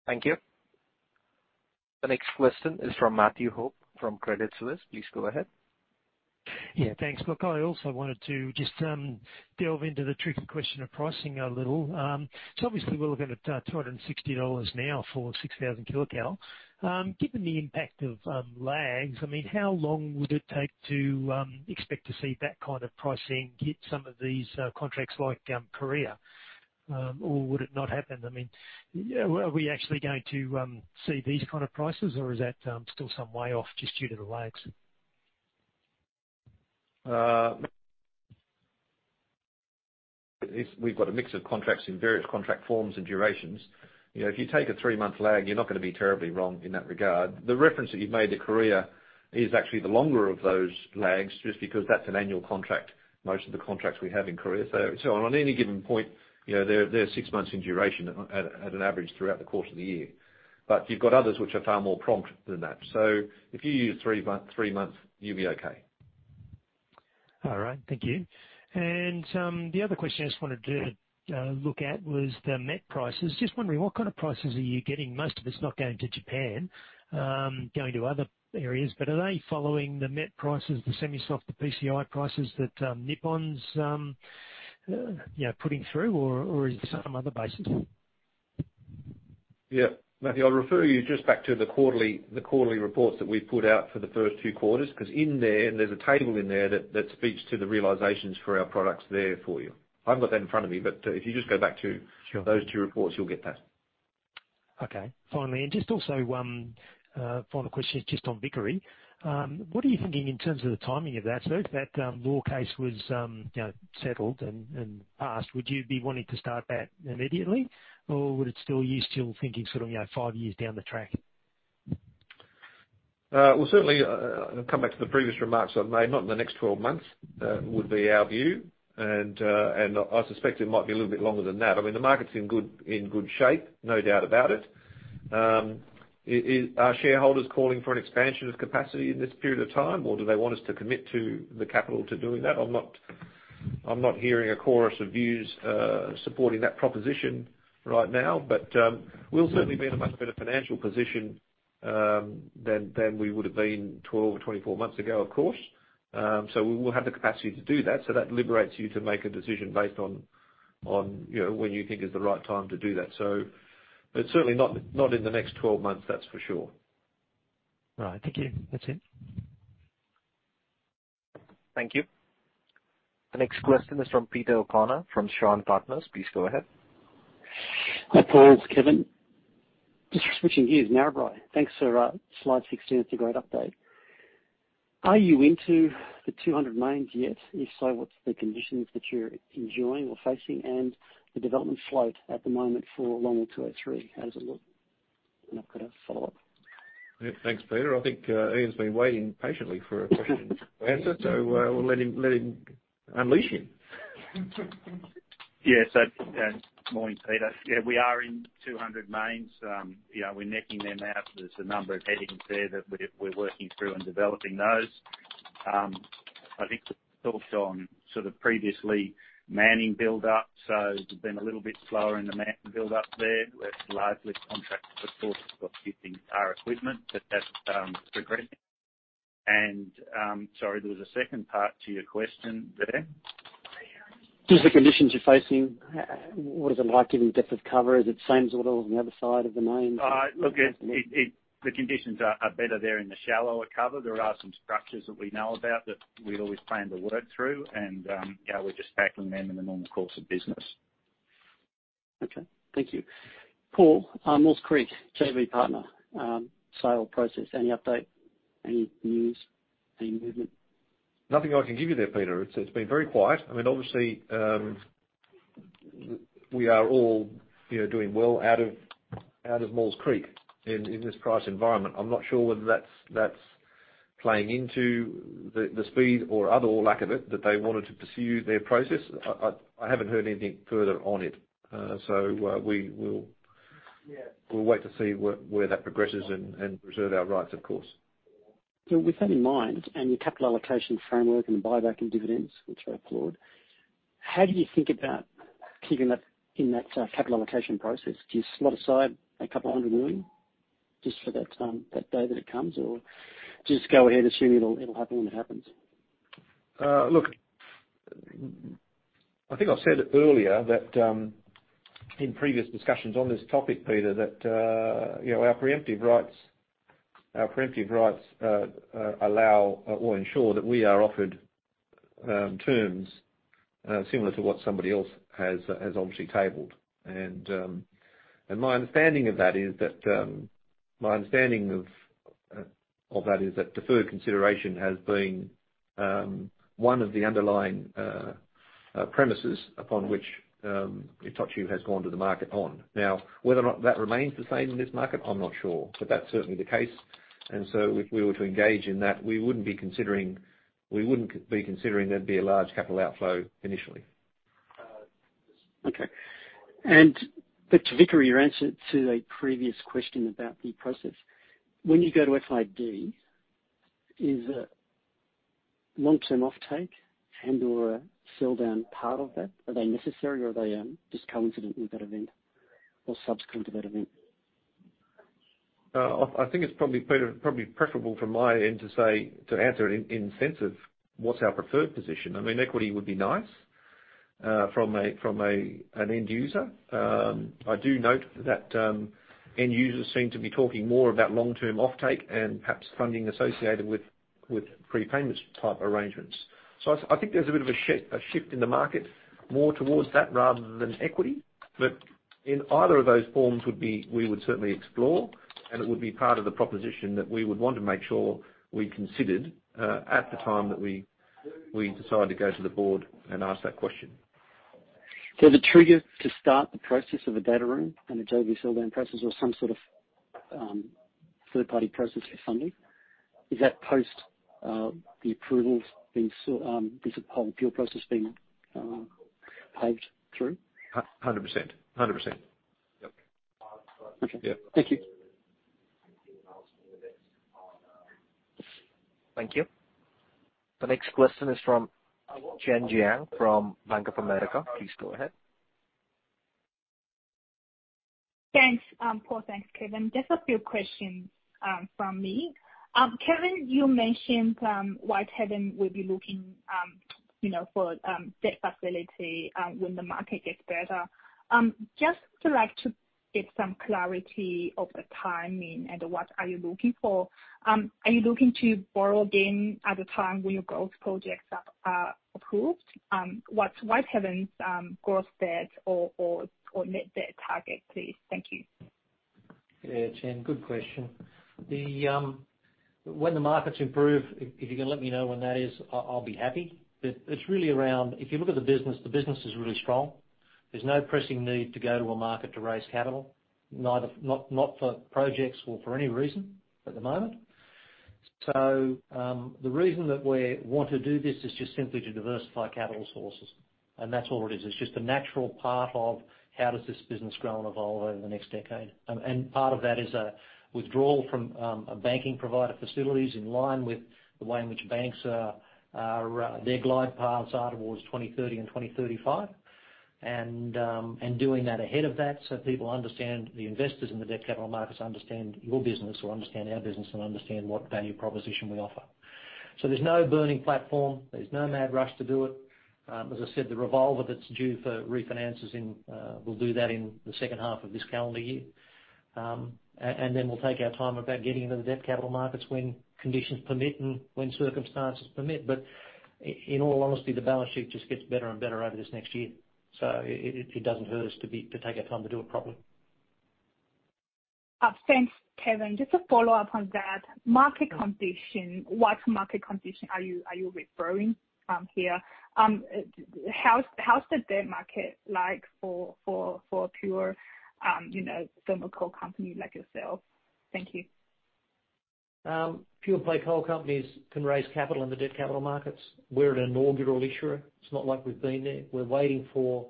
Thank you. The next question is from Matthew Hope from Credit Suisse. Please go ahead. Yeah. Thanks. Look, I also wanted to just delve into the tricky question of pricing a little. So obviously, we're looking at $260 now for 6,000 kcal. Given the impact of lags, I mean, how long would it take to expect to see that kind of pricing hit some of these contracts like Korea? Or would it not happen? I mean, are we actually going to see these kind of prices, or is that still some way off just due to the lags? We've got a mix of contracts in various contract forms and durations. If you take a three-month lag, you're not going to be terribly wrong in that regard. The reference that you've made to Korea is actually the longer of those lags just because that's an annual contract, most of the contracts we have in Korea. So on any given point, they're six months in duration at an average throughout the course of the year. But you've got others which are far more prompt than that. So if you use three months, you'll be okay. All right. Thank you. And the other question I just wanted to look at was the net prices. Just wondering, what kind of prices are you getting? Most of it's not going to Japan, going to other areas. But are they following the net prices, the semi-soft, the PCI prices that Nippon's putting through, or is it some other basis? Yeah. Matthew, I'll refer you just back to the quarterly reports that we've put out for the first two quarters, because in there, there's a table in there that speaks to the realizations for our products there for you. I've got that in front of me, but if you just go back to those two reports, you'll get that. Okay. Finally, and just also final question just on Vickery. What are you thinking in terms of the timing of that, sir? If that law case was settled and passed, would you be wanting to start that immediately, or would it still, you still thinking sort of five years down the track? Certainly, come back to the previous remarks I made, not in the next 12 months would be our view. I suspect it might be a little bit longer than that. I mean, the market's in good shape, no doubt about it. Are shareholders calling for an expansion of capacity in this period of time, or do they want us to commit to the capital to doing that? I'm not hearing a chorus of views supporting that proposition right now. We'll certainly be in a much better financial position than we would have been 12 or 24 months ago, of course. We will have the capacity to do that. That liberates you to make a decision based on when you think is the right time to do that. It's certainly not in the next 12 months, that's for sure. Right. Thank you. That's it. Thank you. The next question is from Peter O'Connor from Shaw and Partners. Please go ahead. Hi, Paul. It's Kevin. Just switching gears, Narrabri. Thanks for slide 16. It's a great update. Are you into the 200 millions yet? If so, what's the conditions that you're enjoying or facing? And the development slope at the moment for Longwall 203, how does it look? And I've got a follow-up. Thanks, Peter. I think Ian's been waiting patiently for a question to answer, so we'll let him unleash him. Yeah. Morning, Peter. Yeah, we are in 200 million. We're knocking them out. There's a number of headings there that we're working through and developing those. I think we talked on sort of previously manning build-up. So we've been a little bit slower in the build-up there. We're largely contracted, of course, got a few things, our equipment, but that's progressing. And sorry, there was a second part to your question there. Does the conditions you're facing, what is it like, given depth of cover? Is it the same sort of on the other side of the main? Look, the conditions are better there in the shallower cover. There are some structures that we know about that we've always planned to work through, and we're just tackling them in the normal course of business. Okay. Thank you. Paul, Maules Creek, JV partner, sale process, any update, any news, any movement? Nothing I can give you there, Peter. It's been very quiet. I mean, obviously, we are all doing well out of Maules Creek in this price environment. I'm not sure whether that's playing into the speed or other or lack of it that they wanted to pursue their process. I haven't heard anything further on it. So we'll wait to see where that progresses and preserve our rights, of course. With that in mind and your capital allocation framework and the buyback and dividends, which are applauded, how do you think about keeping that in that capital allocation process? Do you slot aside a couple of hundred million just for that day that it comes, or just go ahead and assume it'll happen when it happens? Look, I think I've said earlier that in previous discussions on this topic, Peter, that our preemptive rights allow or ensure that we are offered terms similar to what somebody else has obviously tabled. And my understanding of that is that deferred consideration has been one of the underlying premises upon which Itochu has gone to the market on. Now, whether or not that remains the same in this market, I'm not sure. But that's certainly the case. And so if we were to engage in that, we wouldn't be considering there'd be a large capital outflow initially. Okay. And to Vickery, your answer to a previous question about the process, when you go to FID, is a long-term offtake and/or a sell-down part of that? Are they necessary, or are they just coincident with that event or subsequent to that event? I think it's probably preferable from my end to answer it in the sense of what's our preferred position. I mean, equity would be nice from an end user. I do note that end users seem to be talking more about long-term offtake and perhaps funding associated with prepayments type arrangements. So I think there's a bit of a shift in the market more towards that rather than equity. But in either of those forms, we would certainly explore, and it would be part of the proposition that we would want to make sure we considered at the time that we decide to go to the board and ask that question. So the trigger to start the process of a data room and a JV sell-down process or some sort of third-party process for funding, is that post the approvals being this whole appeal process paved through? 100%. 100%. Yep. Okay. Thank you. Thank you. The next question is from Chen Jiang from Bank of America. Please go ahead. Thanks, Paul. Thanks, Kevin. Just a few questions from me. Kevin, you mentioned why Kevin will be looking for debt facility when the market gets better. Just to get some clarity of the timing and what are you looking for? Are you looking to borrow again at the time when your growth projects are approved? What's Kevin's growth debt or net debt target, please? Thank you. Yeah, Chen, good question. When the markets improve, if you can let me know when that is, I'll be happy. But it's really around if you look at the business, the business is really strong. There's no pressing need to go to a market to raise capital, not for projects or for any reason at the moment. So the reason that we want to do this is just simply to diversify capital sources. And that's all it is. It's just a natural part of how does this business grow and evolve over the next decade. And part of that is a withdrawal from banking provider facilities in line with the way in which banks are their glide paths are towards 2030 and 2035. And doing that ahead of that so people understand the investors in the debt capital markets understand your business or understand our business and understand what value proposition we offer. So there's no burning platform. There's no mad rush to do it. As I said, the revolver that's due for refinances will do that in the second half of this calendar year. And then we'll take our time about getting into the debt capital markets when conditions permit and when circumstances permit. But in all honesty, the balance sheet just gets better and better over this next year. So it doesn't hurt us to take our time to do it properly. Thanks, Kevin. Just a follow-up on that. Market condition, what market condition are you referring here? How's the debt market like for a pure thermal coal company like yourself? Thank you. Pure play coal companies can raise capital in the debt capital markets. We're an inaugural issuer. It's not like we've been there. We're waiting for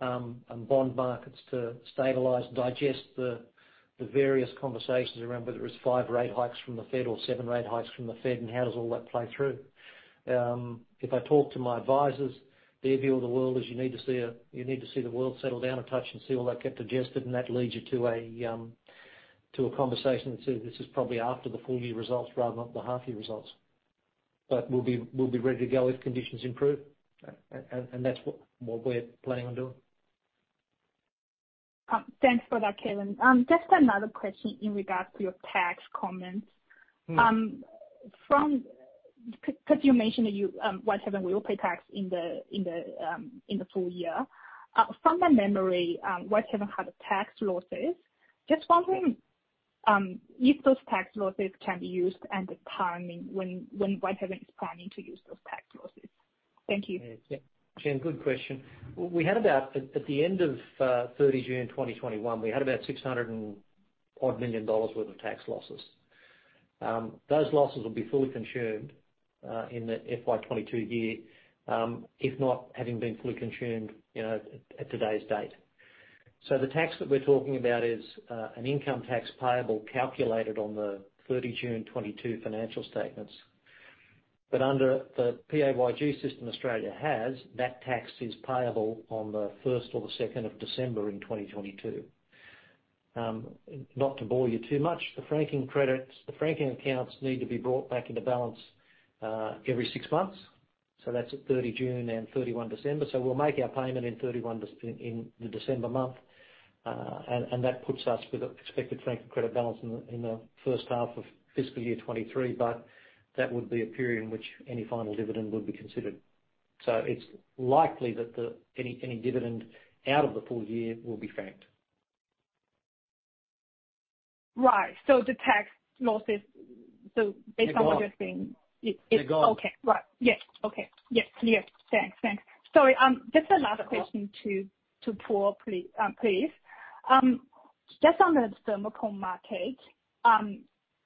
bond markets to stabilize and digest the various conversations around whether it's five rate hikes from the Fed or seven rate hikes from the Fed and how does all that play through. If I talk to my advisors, their view of the world is you need to see the world settle down a touch and see all that get digested, and that leads you to a conversation that says this is probably after the full year results rather than the half year results, but we'll be ready to go if conditions improve, and that's what we're planning on doing. Thanks for that, Kevin. Just another question in regards to your tax comments. Because you mentioned that Whitehaven will pay tax in the full year. From my memory, Whitehaven had tax losses. Just wondering if those tax losses can be used and the timing when Whitehaven is planning to use those tax losses. Thank you. Chen, good question. At the end of 30 June 2021, we had about 600-odd million dollars worth of tax losses. Those losses will be fully consumed in the FY 2022 year, if not having been fully consumed at today's date. So the tax that we're talking about is an income tax payable calculated on the 30 June 2022 financial statements. But under the PAYG system Australia has, that tax is payable on the 1st or the 2nd of December in 2022. Not to bore you too much, the franking credits, the franking accounts need to be brought back into balance every six months. So that's at 30 June and 31 December. So we'll make our payment in the December month. And that puts us with an expected franking credit balance in the first half of fiscal year 2023, but that would be a period in which any final dividend would be considered. So it's likely that any dividend out of the full year will be franked. Right. So the tax losses, so based on what you're saying. They're gone. Just another question to Paul, please. Just on the thermal coal market,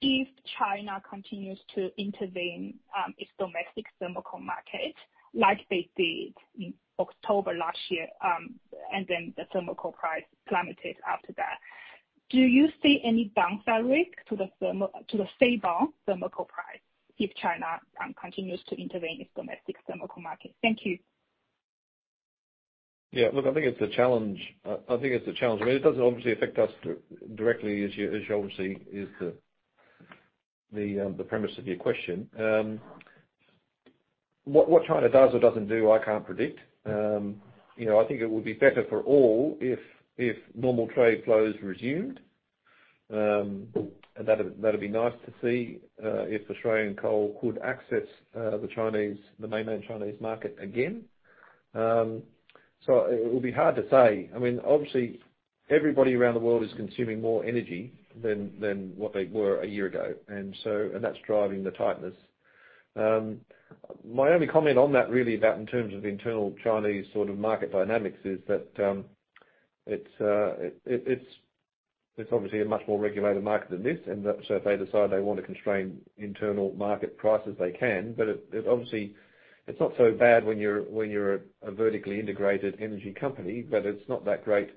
if China continues to intervene its domestic thermal coal market like they did in October last year and then the thermal coal price plummeted after that, do you see any bounce back to the stable thermal coal price if China continues to intervene its domestic thermal coal market? Thank you. Yeah. Look, I think it's a challenge. I think it's a challenge. I mean, it doesn't obviously affect us directly, as you obviously is the premise of your question. What China does or doesn't do, I can't predict. I think it would be better for all if normal trade flows resumed, and that would be nice to see if Australian coal could access the mainland Chinese market again, so it would be hard to say. I mean, obviously, everybody around the world is consuming more energy than what they were a year ago, and that's driving the tightness. My only comment on that really about in terms of internal Chinese sort of market dynamics is that it's obviously a much more regulated market than this, and so if they decide they want to constrain internal market prices, they can. But obviously, it's not so bad when you're a vertically integrated energy company, but it's not that great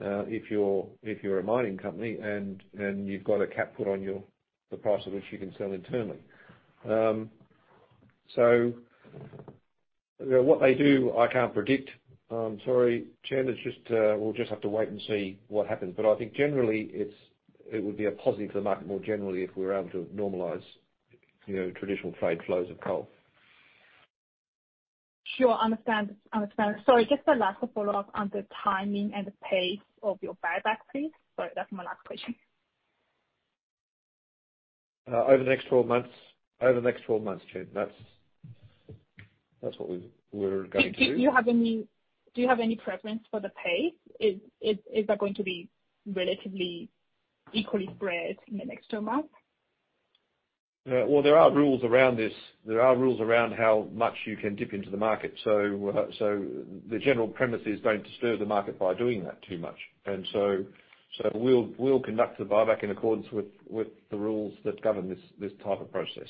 if you're a mining company and you've got a cap put on the price of which you can sell internally. So what they do, I can't predict. Sorry, Chen, we'll just have to wait and see what happens. But I think generally, it would be a positive for the market more generally if we're able to normalize traditional trade flows of coal. Sure. I understand. I understand. Sorry, just a last follow-up on the timing and the pace of your buyback, please. Sorry, that's my last question. Over the next 12 months. Over the next 12 months, Chen. That's what we're going to do. Do you have any preference for the pace? Is that going to be relatively equally spread in the next 12 months? There are rules around this. There are rules around how much you can dip into the market. The general premise is don't disturb the market by doing that too much. We'll conduct the buyback in accordance with the rules that govern this type of process.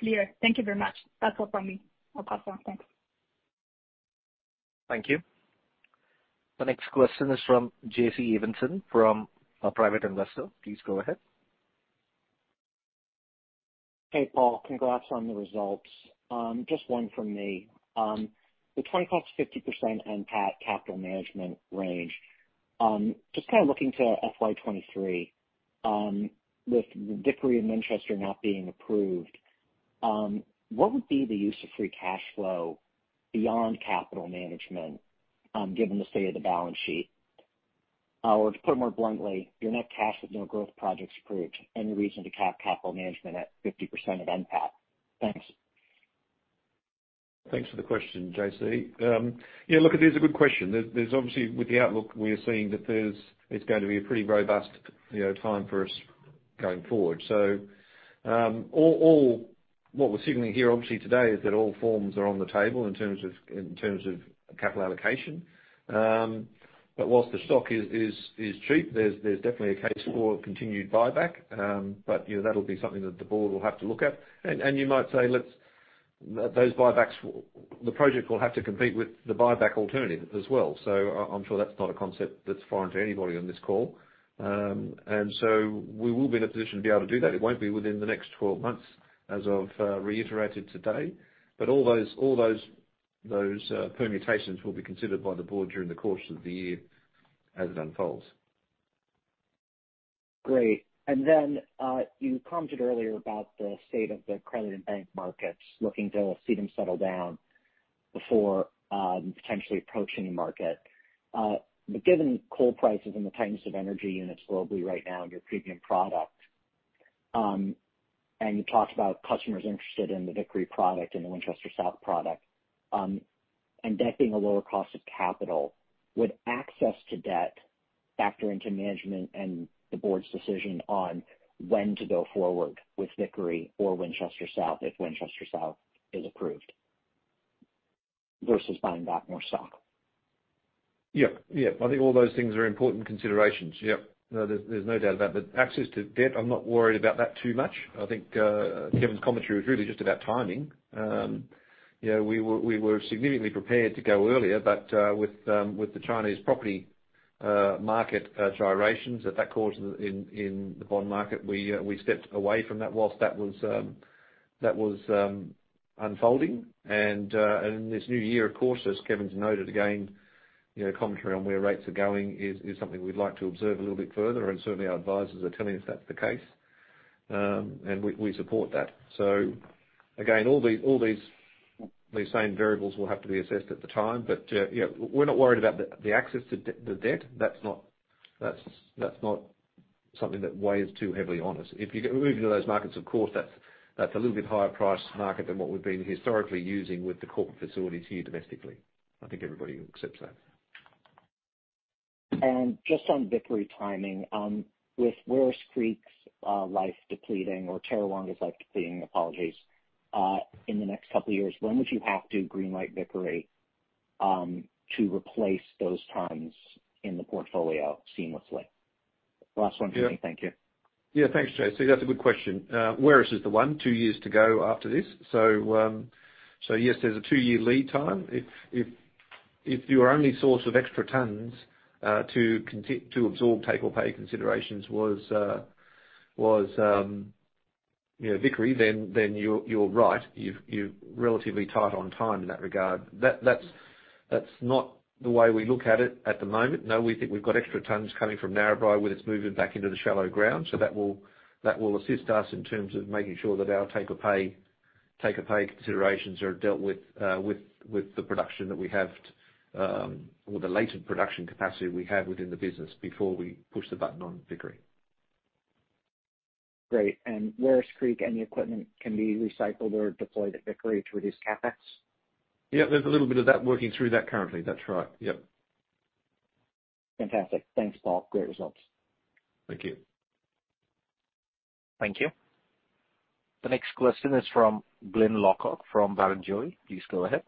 Clear. Thank you very much. That's all from me. I'll pass on. Thanks. Thank you. The next question is from JC Evensen from a private investor. Please go ahead. Hey, Paul. Congrats on the results. Just one from me. The 20%-50% NPAT capital management range, just kind of looking to FY 2023, with Vickery and Winchester not being approved, what would be the use of free cash flow beyond capital management given the state of the balance sheet? Or to put it more bluntly, your net cash with no growth projects approved, any reason to cap capital management at 50% of NPAT? Thanks. Thanks for the question, JC. Yeah, look, it is a good question. There's obviously, with the outlook, we are seeing that there's going to be a pretty robust time for us going forward. So what we're signaling here, obviously, today is that all forms are on the table in terms of capital allocation. But whilst the stock is cheap, there's definitely a case for continued buyback. But that'll be something that the board will have to look at. And you might say those buybacks, the project will have to compete with the buyback alternative as well. So I'm sure that's not a concept that's foreign to anybody on this call. And so we will be in a position to be able to do that. It won't be within the next 12 months, as I've reiterated today. But all those permutations will be considered by the board during the course of the year as it unfolds. Great. And then you commented earlier about the state of the credit and bank markets looking to see them settle down before potentially approaching the market. But given coal prices and the tightness of energy units globally right now in your premium product, and you talked about customers interested in the Vickery product and the Winchester South product, and that being a lower cost of capital, would access to debt factor into management and the board's decision on when to go forward with Vickery or Winchester South if Winchester South is approved versus buying back more stock? Yeah. Yeah. I think all those things are important considerations. Yeah. There's no doubt about that. Access to debt, I'm not worried about that too much. I think Kevin's commentary was really just about timing. We were significantly prepared to go earlier, but with the Chinese property market gyrations that that caused in the bond market, we stepped away from that whilst that was unfolding. And in this new year, of course, as Kevin's noted, again, commentary on where rates are going is something we'd like to observe a little bit further. And certainly, our advisors are telling us that's the case. And we support that. So again, all these same variables will have to be assessed at the time. But yeah, we're not worried about the access to the debt. That's not something that weighs too heavily on us. If you get moving to those markets, of course, that's a little bit higher price market than what we've been historically using with the corporate facilities here domestically. I think everybody accepts that. Just on Vickery timing, with Werris Creek's life depleting or Tarrawonga's life depleting, apologies, in the next couple of years, when would you have to greenlight Vickery to replace those mines in the portfolio seamlessly? Last one for me. Thank you. Yeah. Thanks, Jay. So that's a good question. Werris is the one, two years to go after this. So yes, there's a two-year lead time. If your only source of extra tons to absorb take-or-pay considerations was Vickery, then you're right. You're relatively tight on time in that regard. That's not the way we look at it at the moment. No, we think we've got extra tons coming from Narrabri with its movement back into the shallow ground. So that will assist us in terms of making sure that our take-or-pay considerations are dealt with with the production that we have or the latent production capacity we have within the business before we push the button on Vickery. Great. And Werris Creek and the equipment can be recycled or deployed at Vickery to reduce CapEx? Yeah. There's a little bit of that working through that currently. That's right. Yeah. Fantastic. Thanks, Paul. Great results. Thank you. Thank you. The next question is from Glyn Lawcock from Barrenjoey. Please go ahead.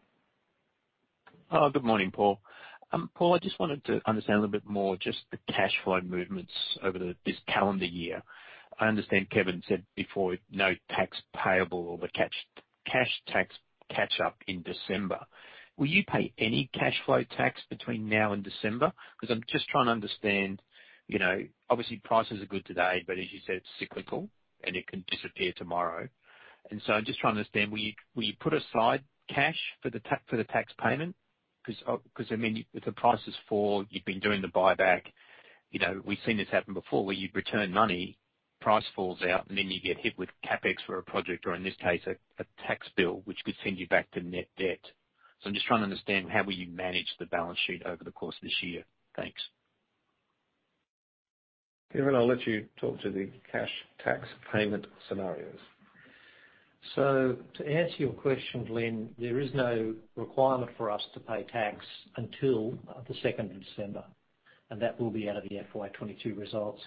Good morning, Paul. Paul, I just wanted to understand a little bit more just the cash flow movements over this calendar year. I understand Kevin said before no tax payable or the cash tax catch-up in December. Will you pay any cash flow tax between now and December? Because I'm just trying to understand, obviously, prices are good today, but as you said, it's cyclical and it can disappear tomorrow. And so I'm just trying to understand, will you put aside cash for the tax payment? Because I mean, if the price is four, you've been doing the buyback, we've seen this happen before where you've returned money, price falls out, and then you get hit with CapEx for a project or, in this case, a tax bill, which could send you back to net debt. So I'm just trying to understand how will you manage the balance sheet over the course of this year? Thanks. Kevin, I'll let you talk to the cash tax payment scenarios. So to answer your question, Glyn, there is no requirement for us to pay tax until the 2nd of December, and that will be out of the FY 2022 results,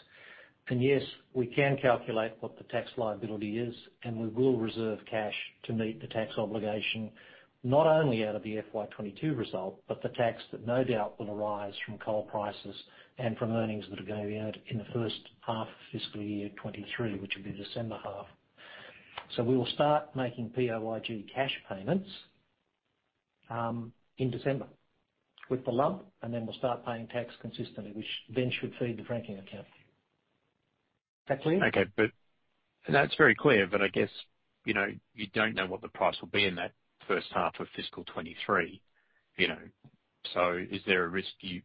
and yes, we can calculate what the tax liability is, and we will reserve cash to meet the tax obligation, not only out of the FY 2022 result, but the tax that no doubt will arise from coal prices and from earnings that are going to be earned in the first half of fiscal year 2023, which will be December half, so we will start making PAYG cash payments in December with the lump, and then we'll start paying tax consistently, which then should feed the franking account. Is that clear? Okay. And that's very clear, but I guess you don't know what the price will be in that first half of fiscal 2023. So is there a risk you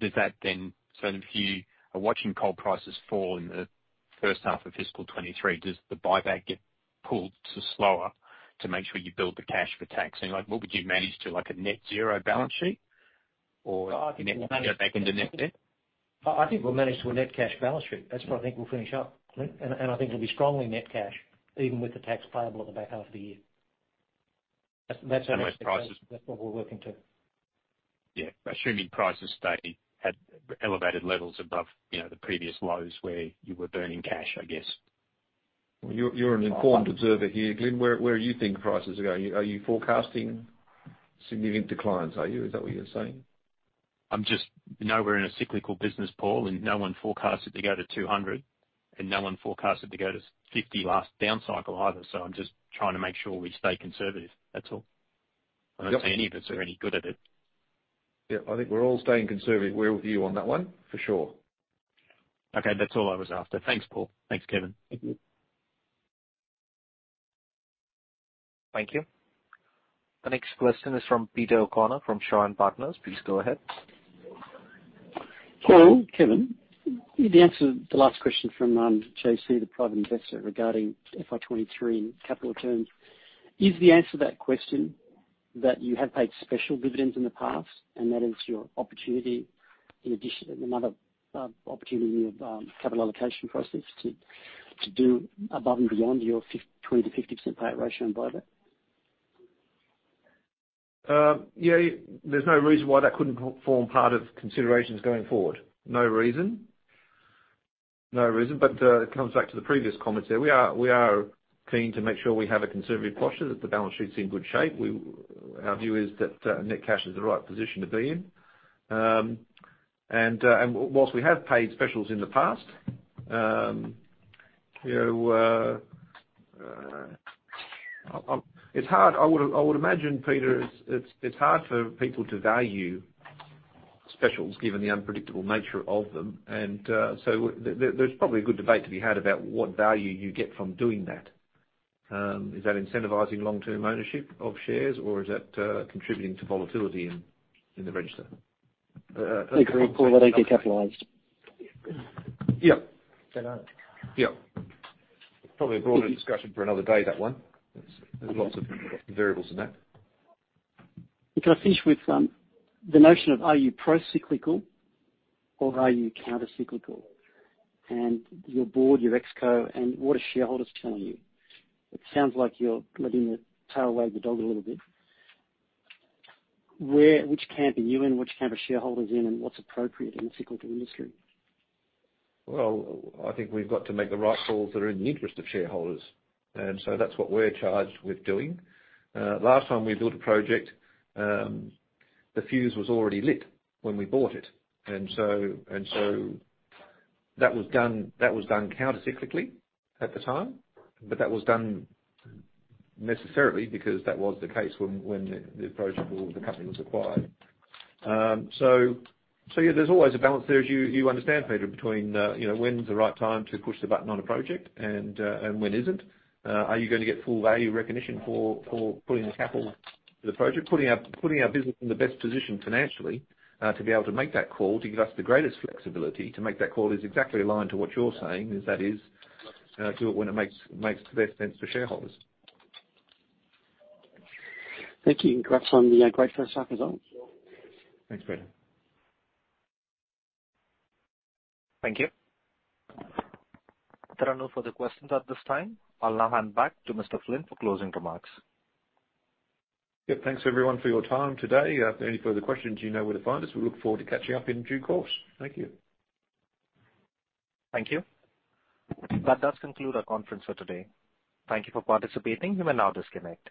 does that then? So if you are watching coal prices fall in the first half of fiscal 2023, does the buyback get pulled to slower to make sure you build the cash for tax? And what would you manage to a net zero balance sheet or net cash back into net debt? I think we'll manage to a net cash balance sheet. That's what I think we'll finish up, and I think it'll be strongly net cash, even with the tax payable at the back half of the year. That's our next question. With prices? That's what we're working to. Yeah. Assuming prices stay at elevated levels above the previous lows where you were burning cash, I guess. You're an informed observer here. Glyn, where do you think prices are going? Are you forecasting significant declines? Are you? Is that what you're saying? I'm just no whiz in a cyclical business, Paul, and no one forecasts it to go to 200, and no one forecasts it to go to 50 last down cycle either. So I'm just trying to make sure we stay conservative. That's all. I don't see any of us are any good at it. Yeah. I think we're all staying conservative. We're with you on that one, for sure. Okay. That's all I was after. Thanks, Paul. Thanks, Kevin. Thank you. Thank you. The next question is from Peter O'Connor from Shaw and Partners. Please go ahead. Paul, Kevin, you answered the last question from JC, the private investor, regarding FY 2023 and capital terms. Is the answer to that question that you have paid special dividends in the past, and that is your opportunity in addition to another opportunity in your capital allocation process to do above and beyond your 20%-50% payout ratio and buyback? Yeah. There's no reason why that couldn't form part of considerations going forward. No reason. No reason. But it comes back to the previous comment there. We are keen to make sure we have a conservative posture, that the balance sheet's in good shape. Our view is that net cash is the right position to be in. And whilst we have paid specials in the past, it's hard. I would imagine, Peter, it's hard for people to value specials given the unpredictable nature of them. And so there's probably a good debate to be had about what value you get from doing that. Is that incentivizing long-term ownership of shares, or is that contributing to volatility in the register? Agreed. Where they get capitalized. Yeah. They don't. Yeah. Probably a broader discussion for another day, that one. There's lots of variables in that. Can I finish with the notion of are you pro-cyclical or are you counter-cyclical? And your board, your ExCo, and what are shareholders telling you? It sounds like you're letting the tail wag the dog a little bit. Which camp are you in? Which camp are shareholders in? And what's appropriate in the cyclical industry? I think we've got to make the right calls that are in the interest of shareholders. That's what we're charged with doing. Last time we built a project, the fuse was already lit when we bought it. That was done counter-cyclically at the time, but that was done necessarily because that was the case when the company was acquired. Yeah, there's always a balance there, as you understand, Peter, between when's the right time to push the button on a project and when isn't. Are you going to get full value recognition for putting the capital to the project, putting our business in the best position financially to be able to make that call, to give us the greatest flexibility, to make that call is exactly aligned to what you're saying, is that is when it makes the best sense for shareholders. Thank you. Congrats on the great first half result. Thanks, Peter. Thank you. There are no further questions at this time. I'll now hand back to Mr. Flynn for closing remarks. Yeah. Thanks, everyone, for your time today. If there are any further questions, you know where to find us. We look forward to catching up in due course. Thank you. Thank you. That does conclude our conference for today. Thank you for participating. You may now disconnect.